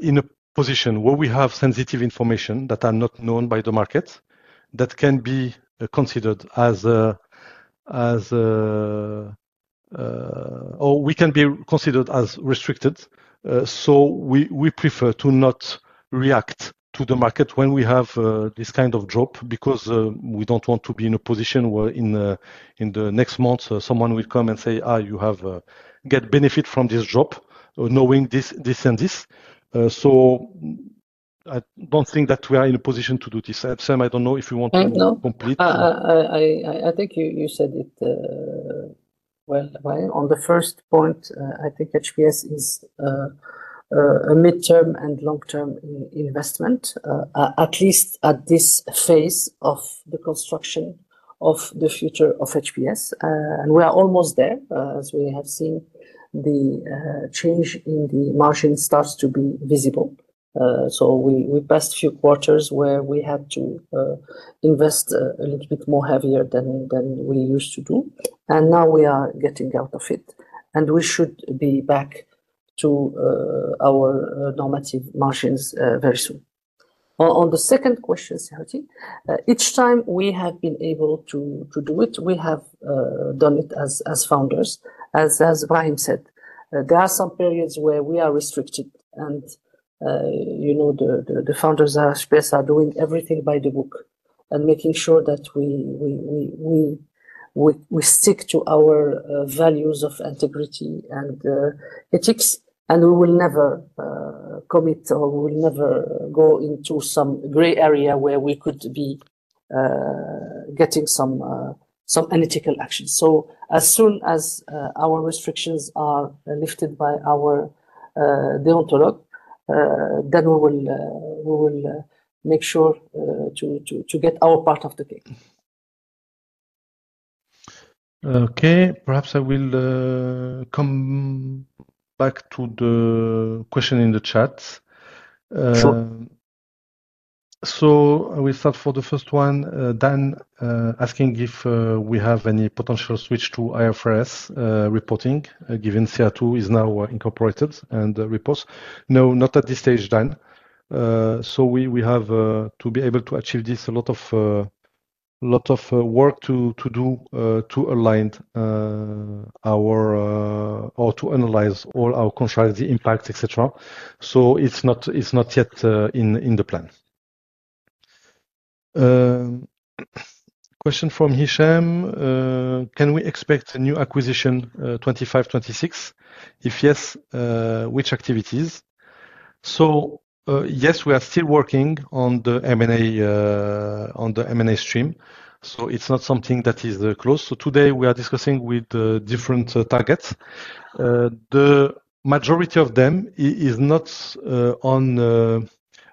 in a position where we have sensitive information that is not known by the markets that can be considered as or we can be considered as restricted. We prefer to not react to the market when we have this kind of drop because we don't want to be in a position where in the next month, someone will come and say, you have got benefit from this drop, knowing this and this. I don't think that we are in a position to do this. Abdeslam, I don't know if you want to complete. I think you said it well. On the first point, I think HPS is a mid-term and long-term investment, at least at this phase of the construction of the future of HPS. We are almost there. As we have seen, the change in the margin starts to be visible. We passed a few quarters where we had to invest a little bit more heavily than we used to do. Now we are getting out of it, and we should be back to our normative margins very soon. On the second question, Serhati, each time we have been able to do it, we have done it as founders. As Brahim said, there are some periods where we are restricted. You know the founders of HPS are doing everything by the book and making sure that we stick to our values of integrity and ethics. We will never commit or go into some gray area where we could be getting some unethical actions. As soon as our restrictions are lifted by our deontologue, we will make sure to get our part of the cake. Okay. Perhaps I will come back to the question in the chat. I will start for the first one, Dan asking if we have any potential switch to IFRS reporting given CR2 is now incorporated and reports. No, not at this stage, Dan. We have to be able to achieve this, a lot of work to do to align or to analyze all our contracts, the impact, etc. It's not yet in the plan. Question from Hicham. Can we expect a new acquisition 2025-2026? If yes, which activities? Yes, we are still working on the M&A stream. It's not something that is close. Today, we are discussing with different targets. The majority of them is not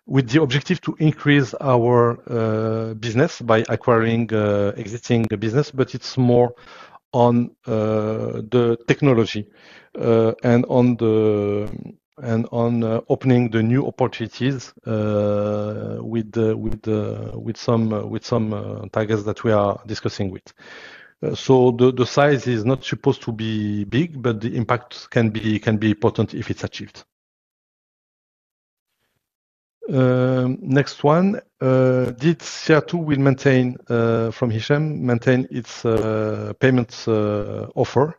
with the objective to increase our business by acquiring existing business, but it's more on the technology and on opening the new opportunities with some targets that we are discussing with. The size is not supposed to be big, but the impact can be important if it's achieved. Next one. Did CR2 will maintain, from Hicham, maintain its payments offer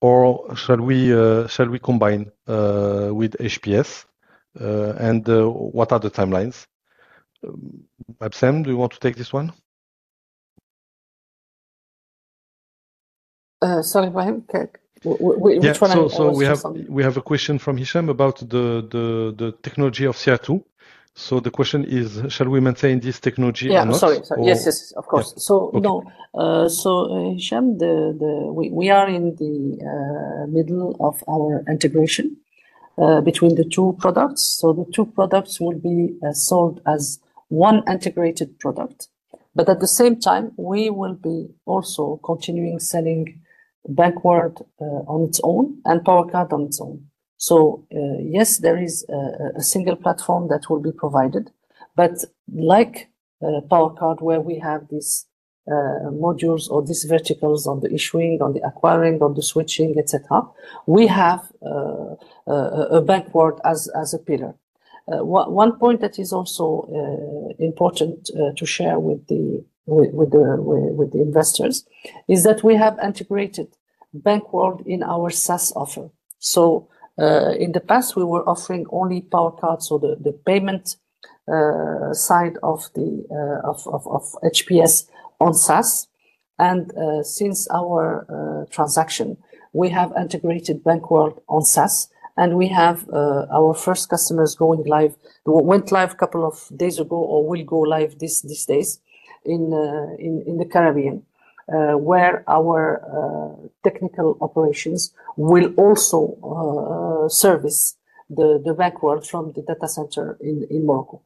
or shall we combine with HPS? And what are the timelines? Abdeslam, do you want to take this one? Sorry, Brahim. Which one are you asking? We have a question from Hichem about the technology of CR2. The question is, shall we maintain this technology or not? Yes, of course. Hicham, we are in the middle of our integration between the two products. The two products will be sold as one integrated product. At the same time, we will also continue selling BankWorld on its own and PowerCARD on its own. There is a single platform that will be provided. Like PowerCARD, where we have these modules or these verticals on the issuing, on the acquiring, on the switching, etc., we have BankWorld as a pillar. One point that is also important to share with the investors is that we have integrated BankWorld in our SaaS offer. In the past, we were offering only PowerCARD, so the payment side of HPS on SaaS. Since our transaction, we have integrated BankWorld on SaaS. We have our first customers going live, went live a couple of days ago or will go live these days in the Caribbean, where our technical operations will also service the BankWorld from the data center in Morocco.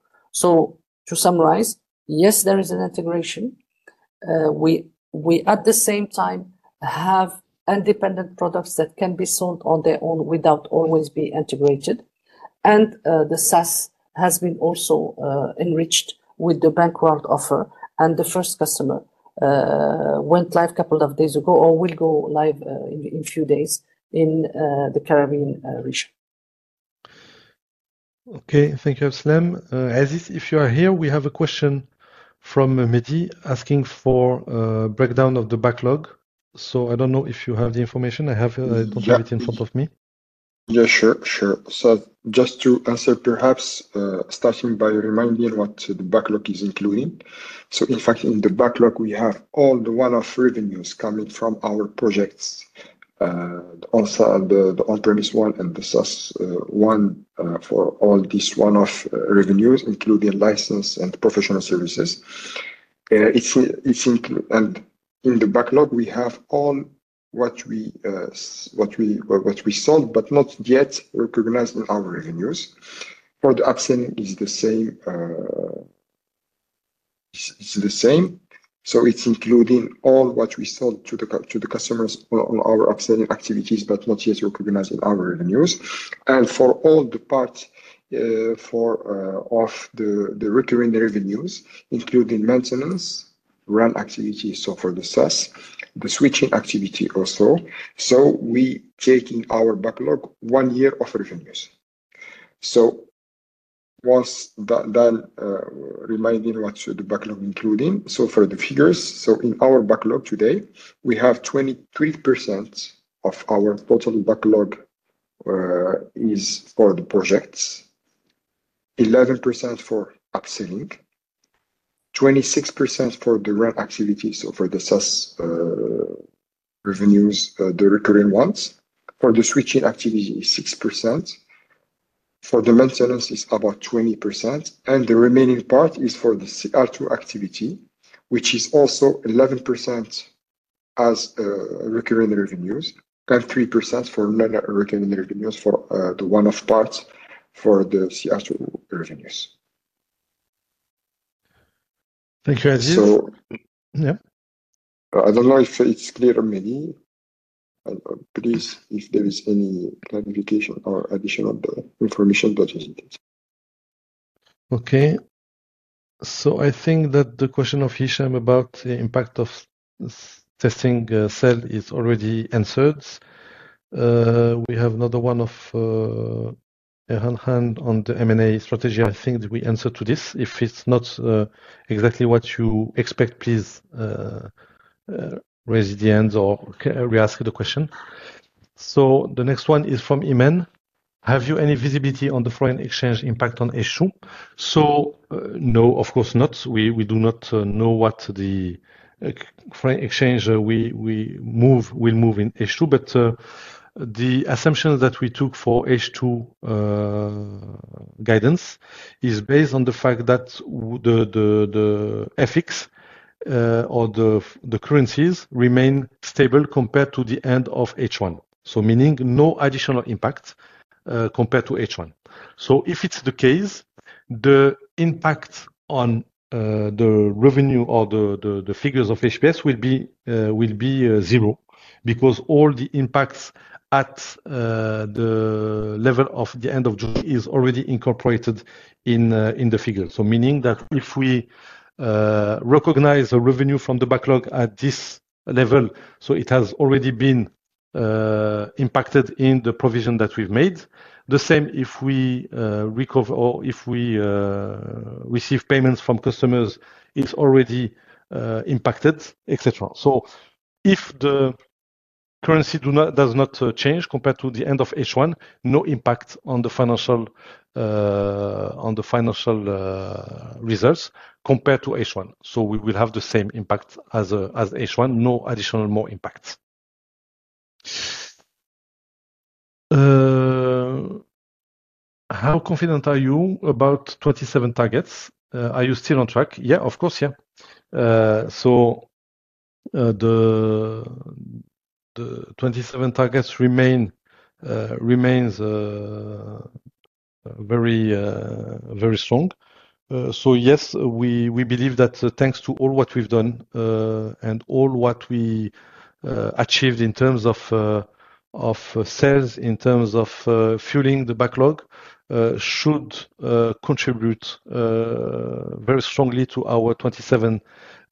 To summarize, there is an integration. At the same time, we have independent products that can be sold on their own without always being integrated. The SaaS has been enriched with the BankWorld offer. The first customer went live a couple of days ago or will go live in a few days in the Caribbean region. Okay. Thank you, Abdeslam. As if you are here, we have a question from El Mehdi asking for a breakdown of the backlog. I don't know if you have the information. I don't have it in front of me. Yeah, sure. Just to answer, perhaps starting by reminding what the backlog is including. In fact, in the backlog, we have all the one-off revenues coming from our projects, the on-premises one and the SaaS one for all these one-off revenues, including license and professional services. In the backlog, we have all what we sold but not yet recognized in our revenues. For the upselling, it's the same. It's including all what we sold to the customers on our upselling activities but not yet recognized in our revenues. For all the parts of the recurring revenues, including maintenance, run activities, for the SaaS, the switching activity also. We are taking our backlog one year of revenues. Once that's done, reminding what the backlog is including. For the figures, in our backlog today, we have 23% of our total backlog is for the projects, 11% for upselling, 26% for the run activities of the SaaS revenues, the recurring ones. For the switching activity, it's 6%. For the maintenance, it's about 20%. The remaining part is for the CR2 activity, which is also 11% as recurring revenues and 3% for non-recurring revenues for the one-off parts for the CR2 revenues. Thank you, Aziz. I don't know if it's clear, Mehdi. Please, if there is any clarification or additional information that is needed. Okay. I think that the question of Hicham about the impact of testing sale is already answered. We have another one of Eranjan on the M&A strategy. I think we answered to this. If it's not exactly what you expect, please raise it again or re-ask the question. The next one is from Imane. Have you any visibility on the foreign exchange impact on H2? No, of course not. We do not know what the foreign exchange will move in H2. The assumption that we took for H2 guidance is based on the fact that the FX or the currencies remain stable compared to the end of H1, meaning no additional impact compared to H1. If it's the case, the impact on the revenue or the figures of HPS will be zero because all the impacts at the level of the end of June is already incorporated in the figures. Meaning that if we recognize the revenue from the backlog at this level, it has already been impacted in the provision that we've made. The same if we recover or if we receive payments from customers, it's already impacted, etc. If the currency does not change compared to the end of H1, no impact on the financial results compared to H1. We will have the same impact as H1, no additional more impact. How confident are you about 2027 targets? Are you still on track? Yeah, of course, yeah. The 2027 targets remain very strong. Yes, we believe that thanks to all what we've done and all what we achieved in terms of sales, in terms of fueling the backlog, should contribute very strongly to our 2027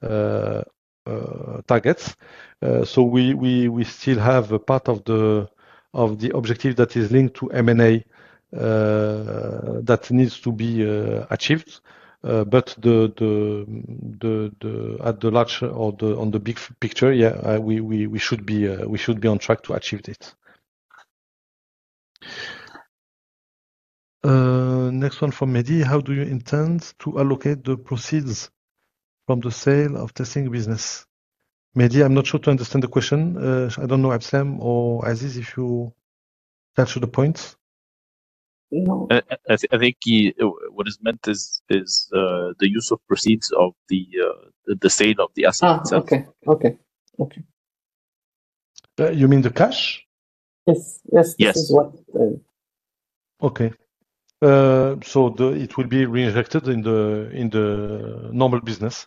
targets. We still have a part of the objective that is linked to M&A that needs to be achieved. At the large or on the big picture, yeah, we should be on track to achieve this. Next one from El Mehdi. How do you intend to allocate the proceeds from the sale of testing business? Mehdi, I'm not sure to understand the question. I don't know Abdeslam or Aziz if you capture the point. No, I think what is meant is the use of proceeds of the sale of the asset itself. Okay. Okay. Okay. You mean the cash? Yes. Yes. Yes. Okay. It will be reinvested in the normal business,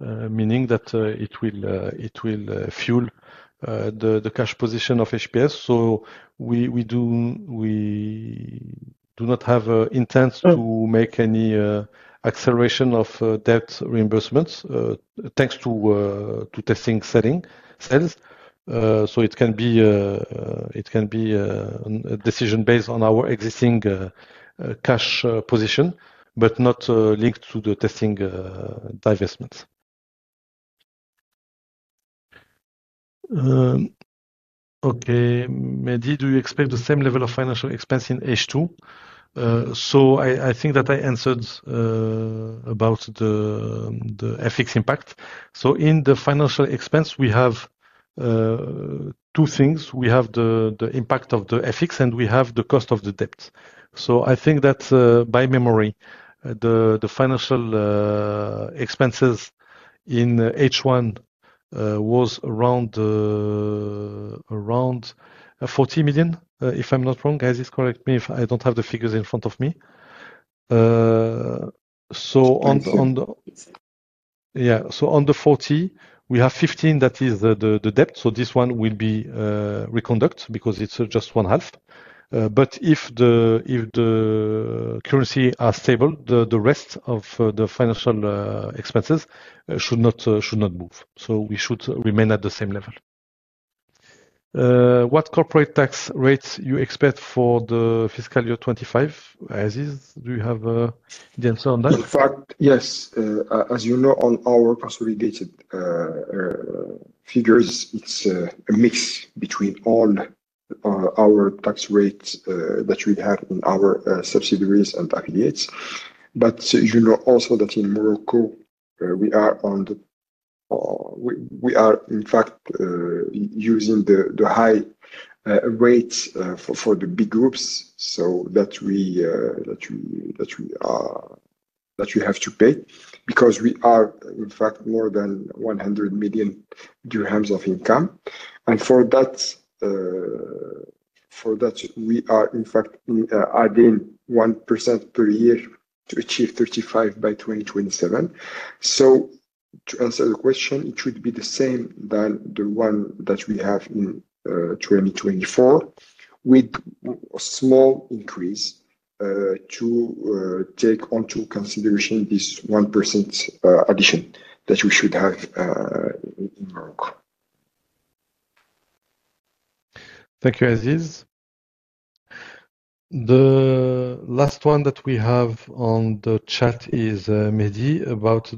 meaning that it will fuel the cash position of HPS. We do not have intent to make any acceleration of debt reimbursements thanks to testing selling. It can be a decision based on our existing cash position but not linked to the testing divestments. Okay. Mehdi, do you expect the same level of financial expense in H2? I think that I answered about the FX impact. In the financial expense, we have two things. We have the impact of the FX and we have the cost of the debt. I think that by memory, the financial expenses in H1 was around $40 million, if I'm not wrong. Guys, just correct me if I don't have the figures in front of me. On the. It's okay. Yeah. On the 40, we have 15 that is the debt. This one will be reconducted because it's just one half. If the currency is stable, the rest of the financial expenses should not move. We should remain at the same level. What corporate tax rates do you expect for the fiscal year 2025? Aziz, do you have the answer on that? In fact, yes. As you know, on our consolidated figures, it's a mix between all our tax rates that we've had in our subsidiaries and affiliates. You know also that in Morocco, we are, in fact, using the high rates for the big groups so that we have to pay because we are, in fact, more than MAD 100 million of income. For that, we are, in fact, adding 1% per year to achieve 35% by 2027. To answer the question, it would be the same as the one that we have in 2024 with a small increase to take into consideration this 1% addition that we should have. Thank you, Aziz. The last one that we have on the chat is Mehdi about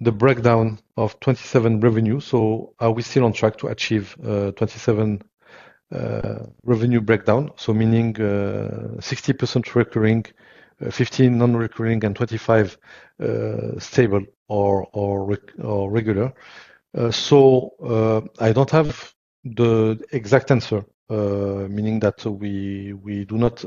the breakdown of 2027 revenues. Are we still on track to achieve 2027 revenue breakdown, meaning 60% recurring, 15% non-recurring, and 25% stable or regular? I don't have the exact answer, meaning that we do not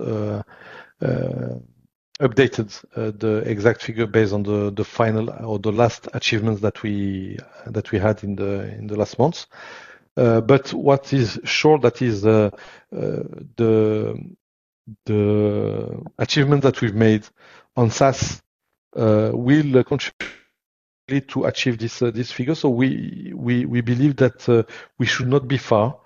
update the exact figure based on the final or the last achievements that we had in the last month. What is sure is that the achievements that we've made on SaaS will contribute to achieve this figure. We believe that we should not be far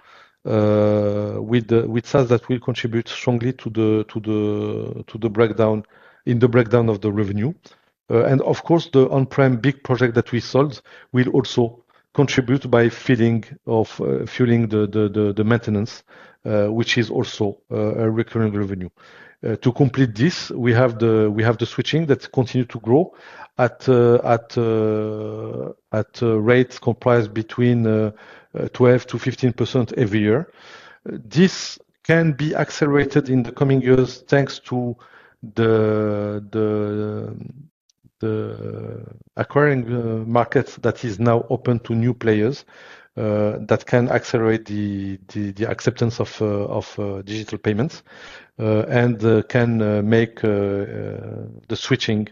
with SaaS that will contribute strongly to the breakdown in the breakdown of the revenue. Of course, the on-prem big project that we sold will also contribute by filling the maintenance, which is also a recurring revenue. To complete this, we have the switching that continues to grow at rates comprised between 12%-15% every year. This can be accelerated in the coming years thanks to the acquiring market that is now open to new players that can accelerate the acceptance of digital payments and can make the switching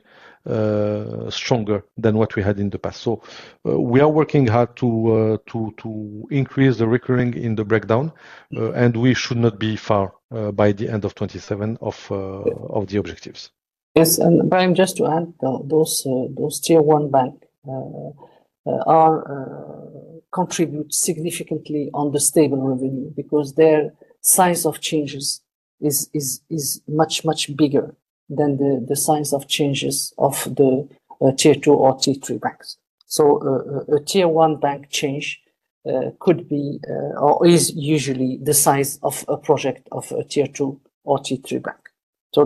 stronger than what we had in the past. We are working hard to increase the recurring in the breakdown. We should not be far by the end of 2027 of the objectives. Yes. Brahim, just to add, those tier-one banks contribute significantly on the stable revenue because their size of changes is much, much bigger than the size of changes of the tier-two or tier-three banks. A tier-one bank change could be or is usually the size of a project of a tier-two or tier-three bank.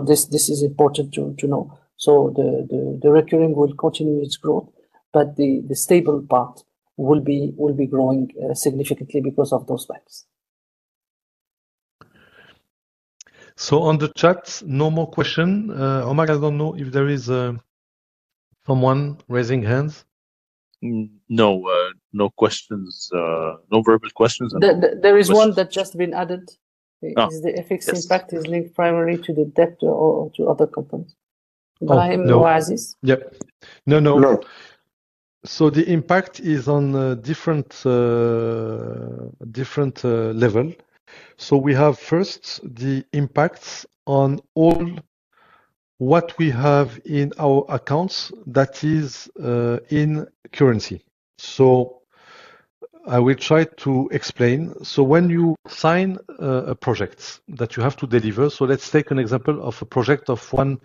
This is important to know. The recurring will continue its growth, but the stable part will be growing significantly because of those banks. On the chats, no more questions. Omar, I don't know if there is someone raising hands. No. No questions. No verbal questions. There is one that's just been added. Is the FX impact linked primarily to the debt or to other companies? Brahim or Aziz? No, no. The impact is on different levels. First, we have the impacts on all what we have in our accounts that is in currency. I will try to explain. When you sign a project that you have to deliver, let's take an example of a project of $100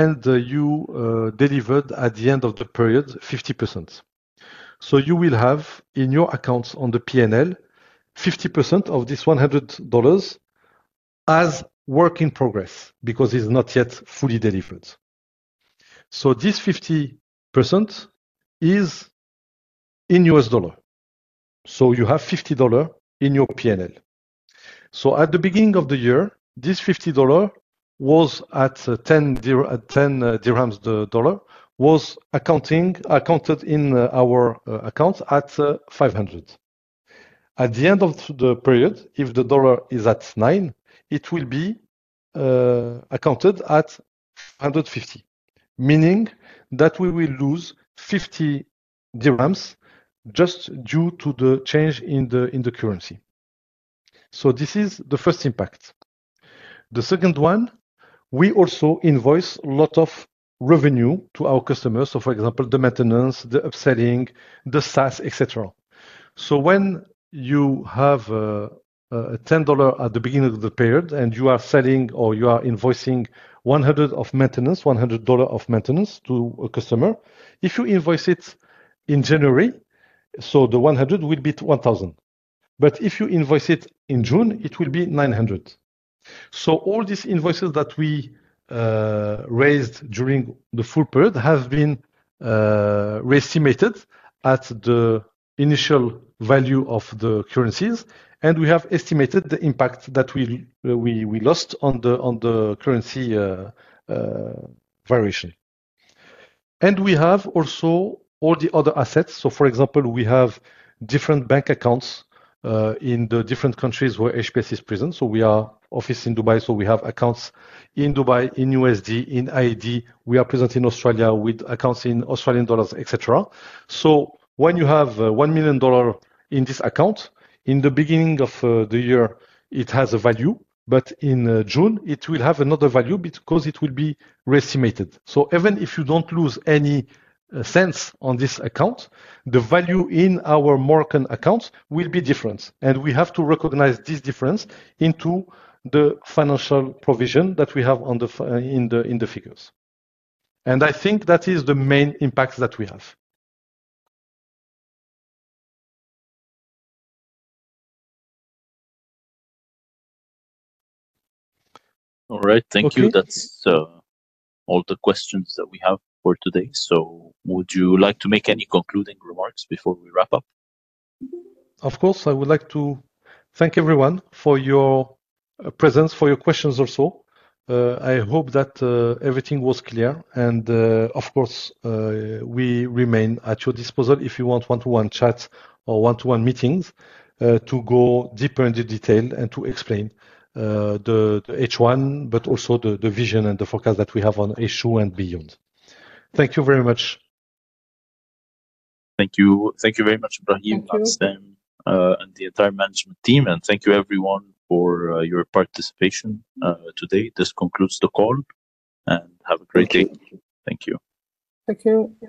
and you delivered at the end of the period 50%. You will have in your accounts on the P&L 50% of this $100 as work in progress because it's not yet fully delivered. This 50% is in U.S. dollars, so you have $50 in your P&L. At the beginning of the year, this $50 was at MAD 10, the dollar was accounted in our account at MAD 500. At the end of the period, if the dollar is at 9, it will be accounted at MAD 150, meaning that we will lose MAD 50 just due to the change in the currency. This is the first impact. The second one, we also invoice a lot of revenue to our customers. For example, the maintenance, the upselling, the SaaS, etc. When you have $10 at the beginning of the period and you are selling or you are invoicing MAD 100 of maintenance to a customer, if you invoice it in January, the $100 would be MAD 1,000. If you invoice it in June, it will be MAD 900. All these invoices that we raised during the full period have been reestimated at the initial value of the currencies. We have estimated the impact that we lost on the currency variation. We have also all the other assets. For example, we have different bank accounts in the different countries where HPS is present. We are office in Dubai, so we have accounts in Dubai, in USD, in ID. We are present in Australia with accounts in Australian dollars, etc. When you have $1 million in this account, in the beginning of the year, it has a value. In June, it will have another value because it will be reestimated. Even if you don't lose any cents on this account, the value in our Moroccan accounts will be different. We have to recognize this difference into the financial provision that we have in the figures. I think that is the main impact that we have. All right. Thank you. That's all the questions that we have for today. Would you like to make any concluding remarks before we wrap up? Of course. I would like to thank everyone for your presence, for your questions also. I hope that everything was clear. We remain at your disposal if you want one-to-one chats or one-to-one meetings to go deeper into detail and to explain the H1, but also the vision and the focus that we have on H2 and beyond. Thank you very much. Thank you. Thank you very much, Brahim, Abdeslam, and the entire management team. Thank you, everyone, for your participation today. This concludes the call. Have a great day. Thank you. Thank you.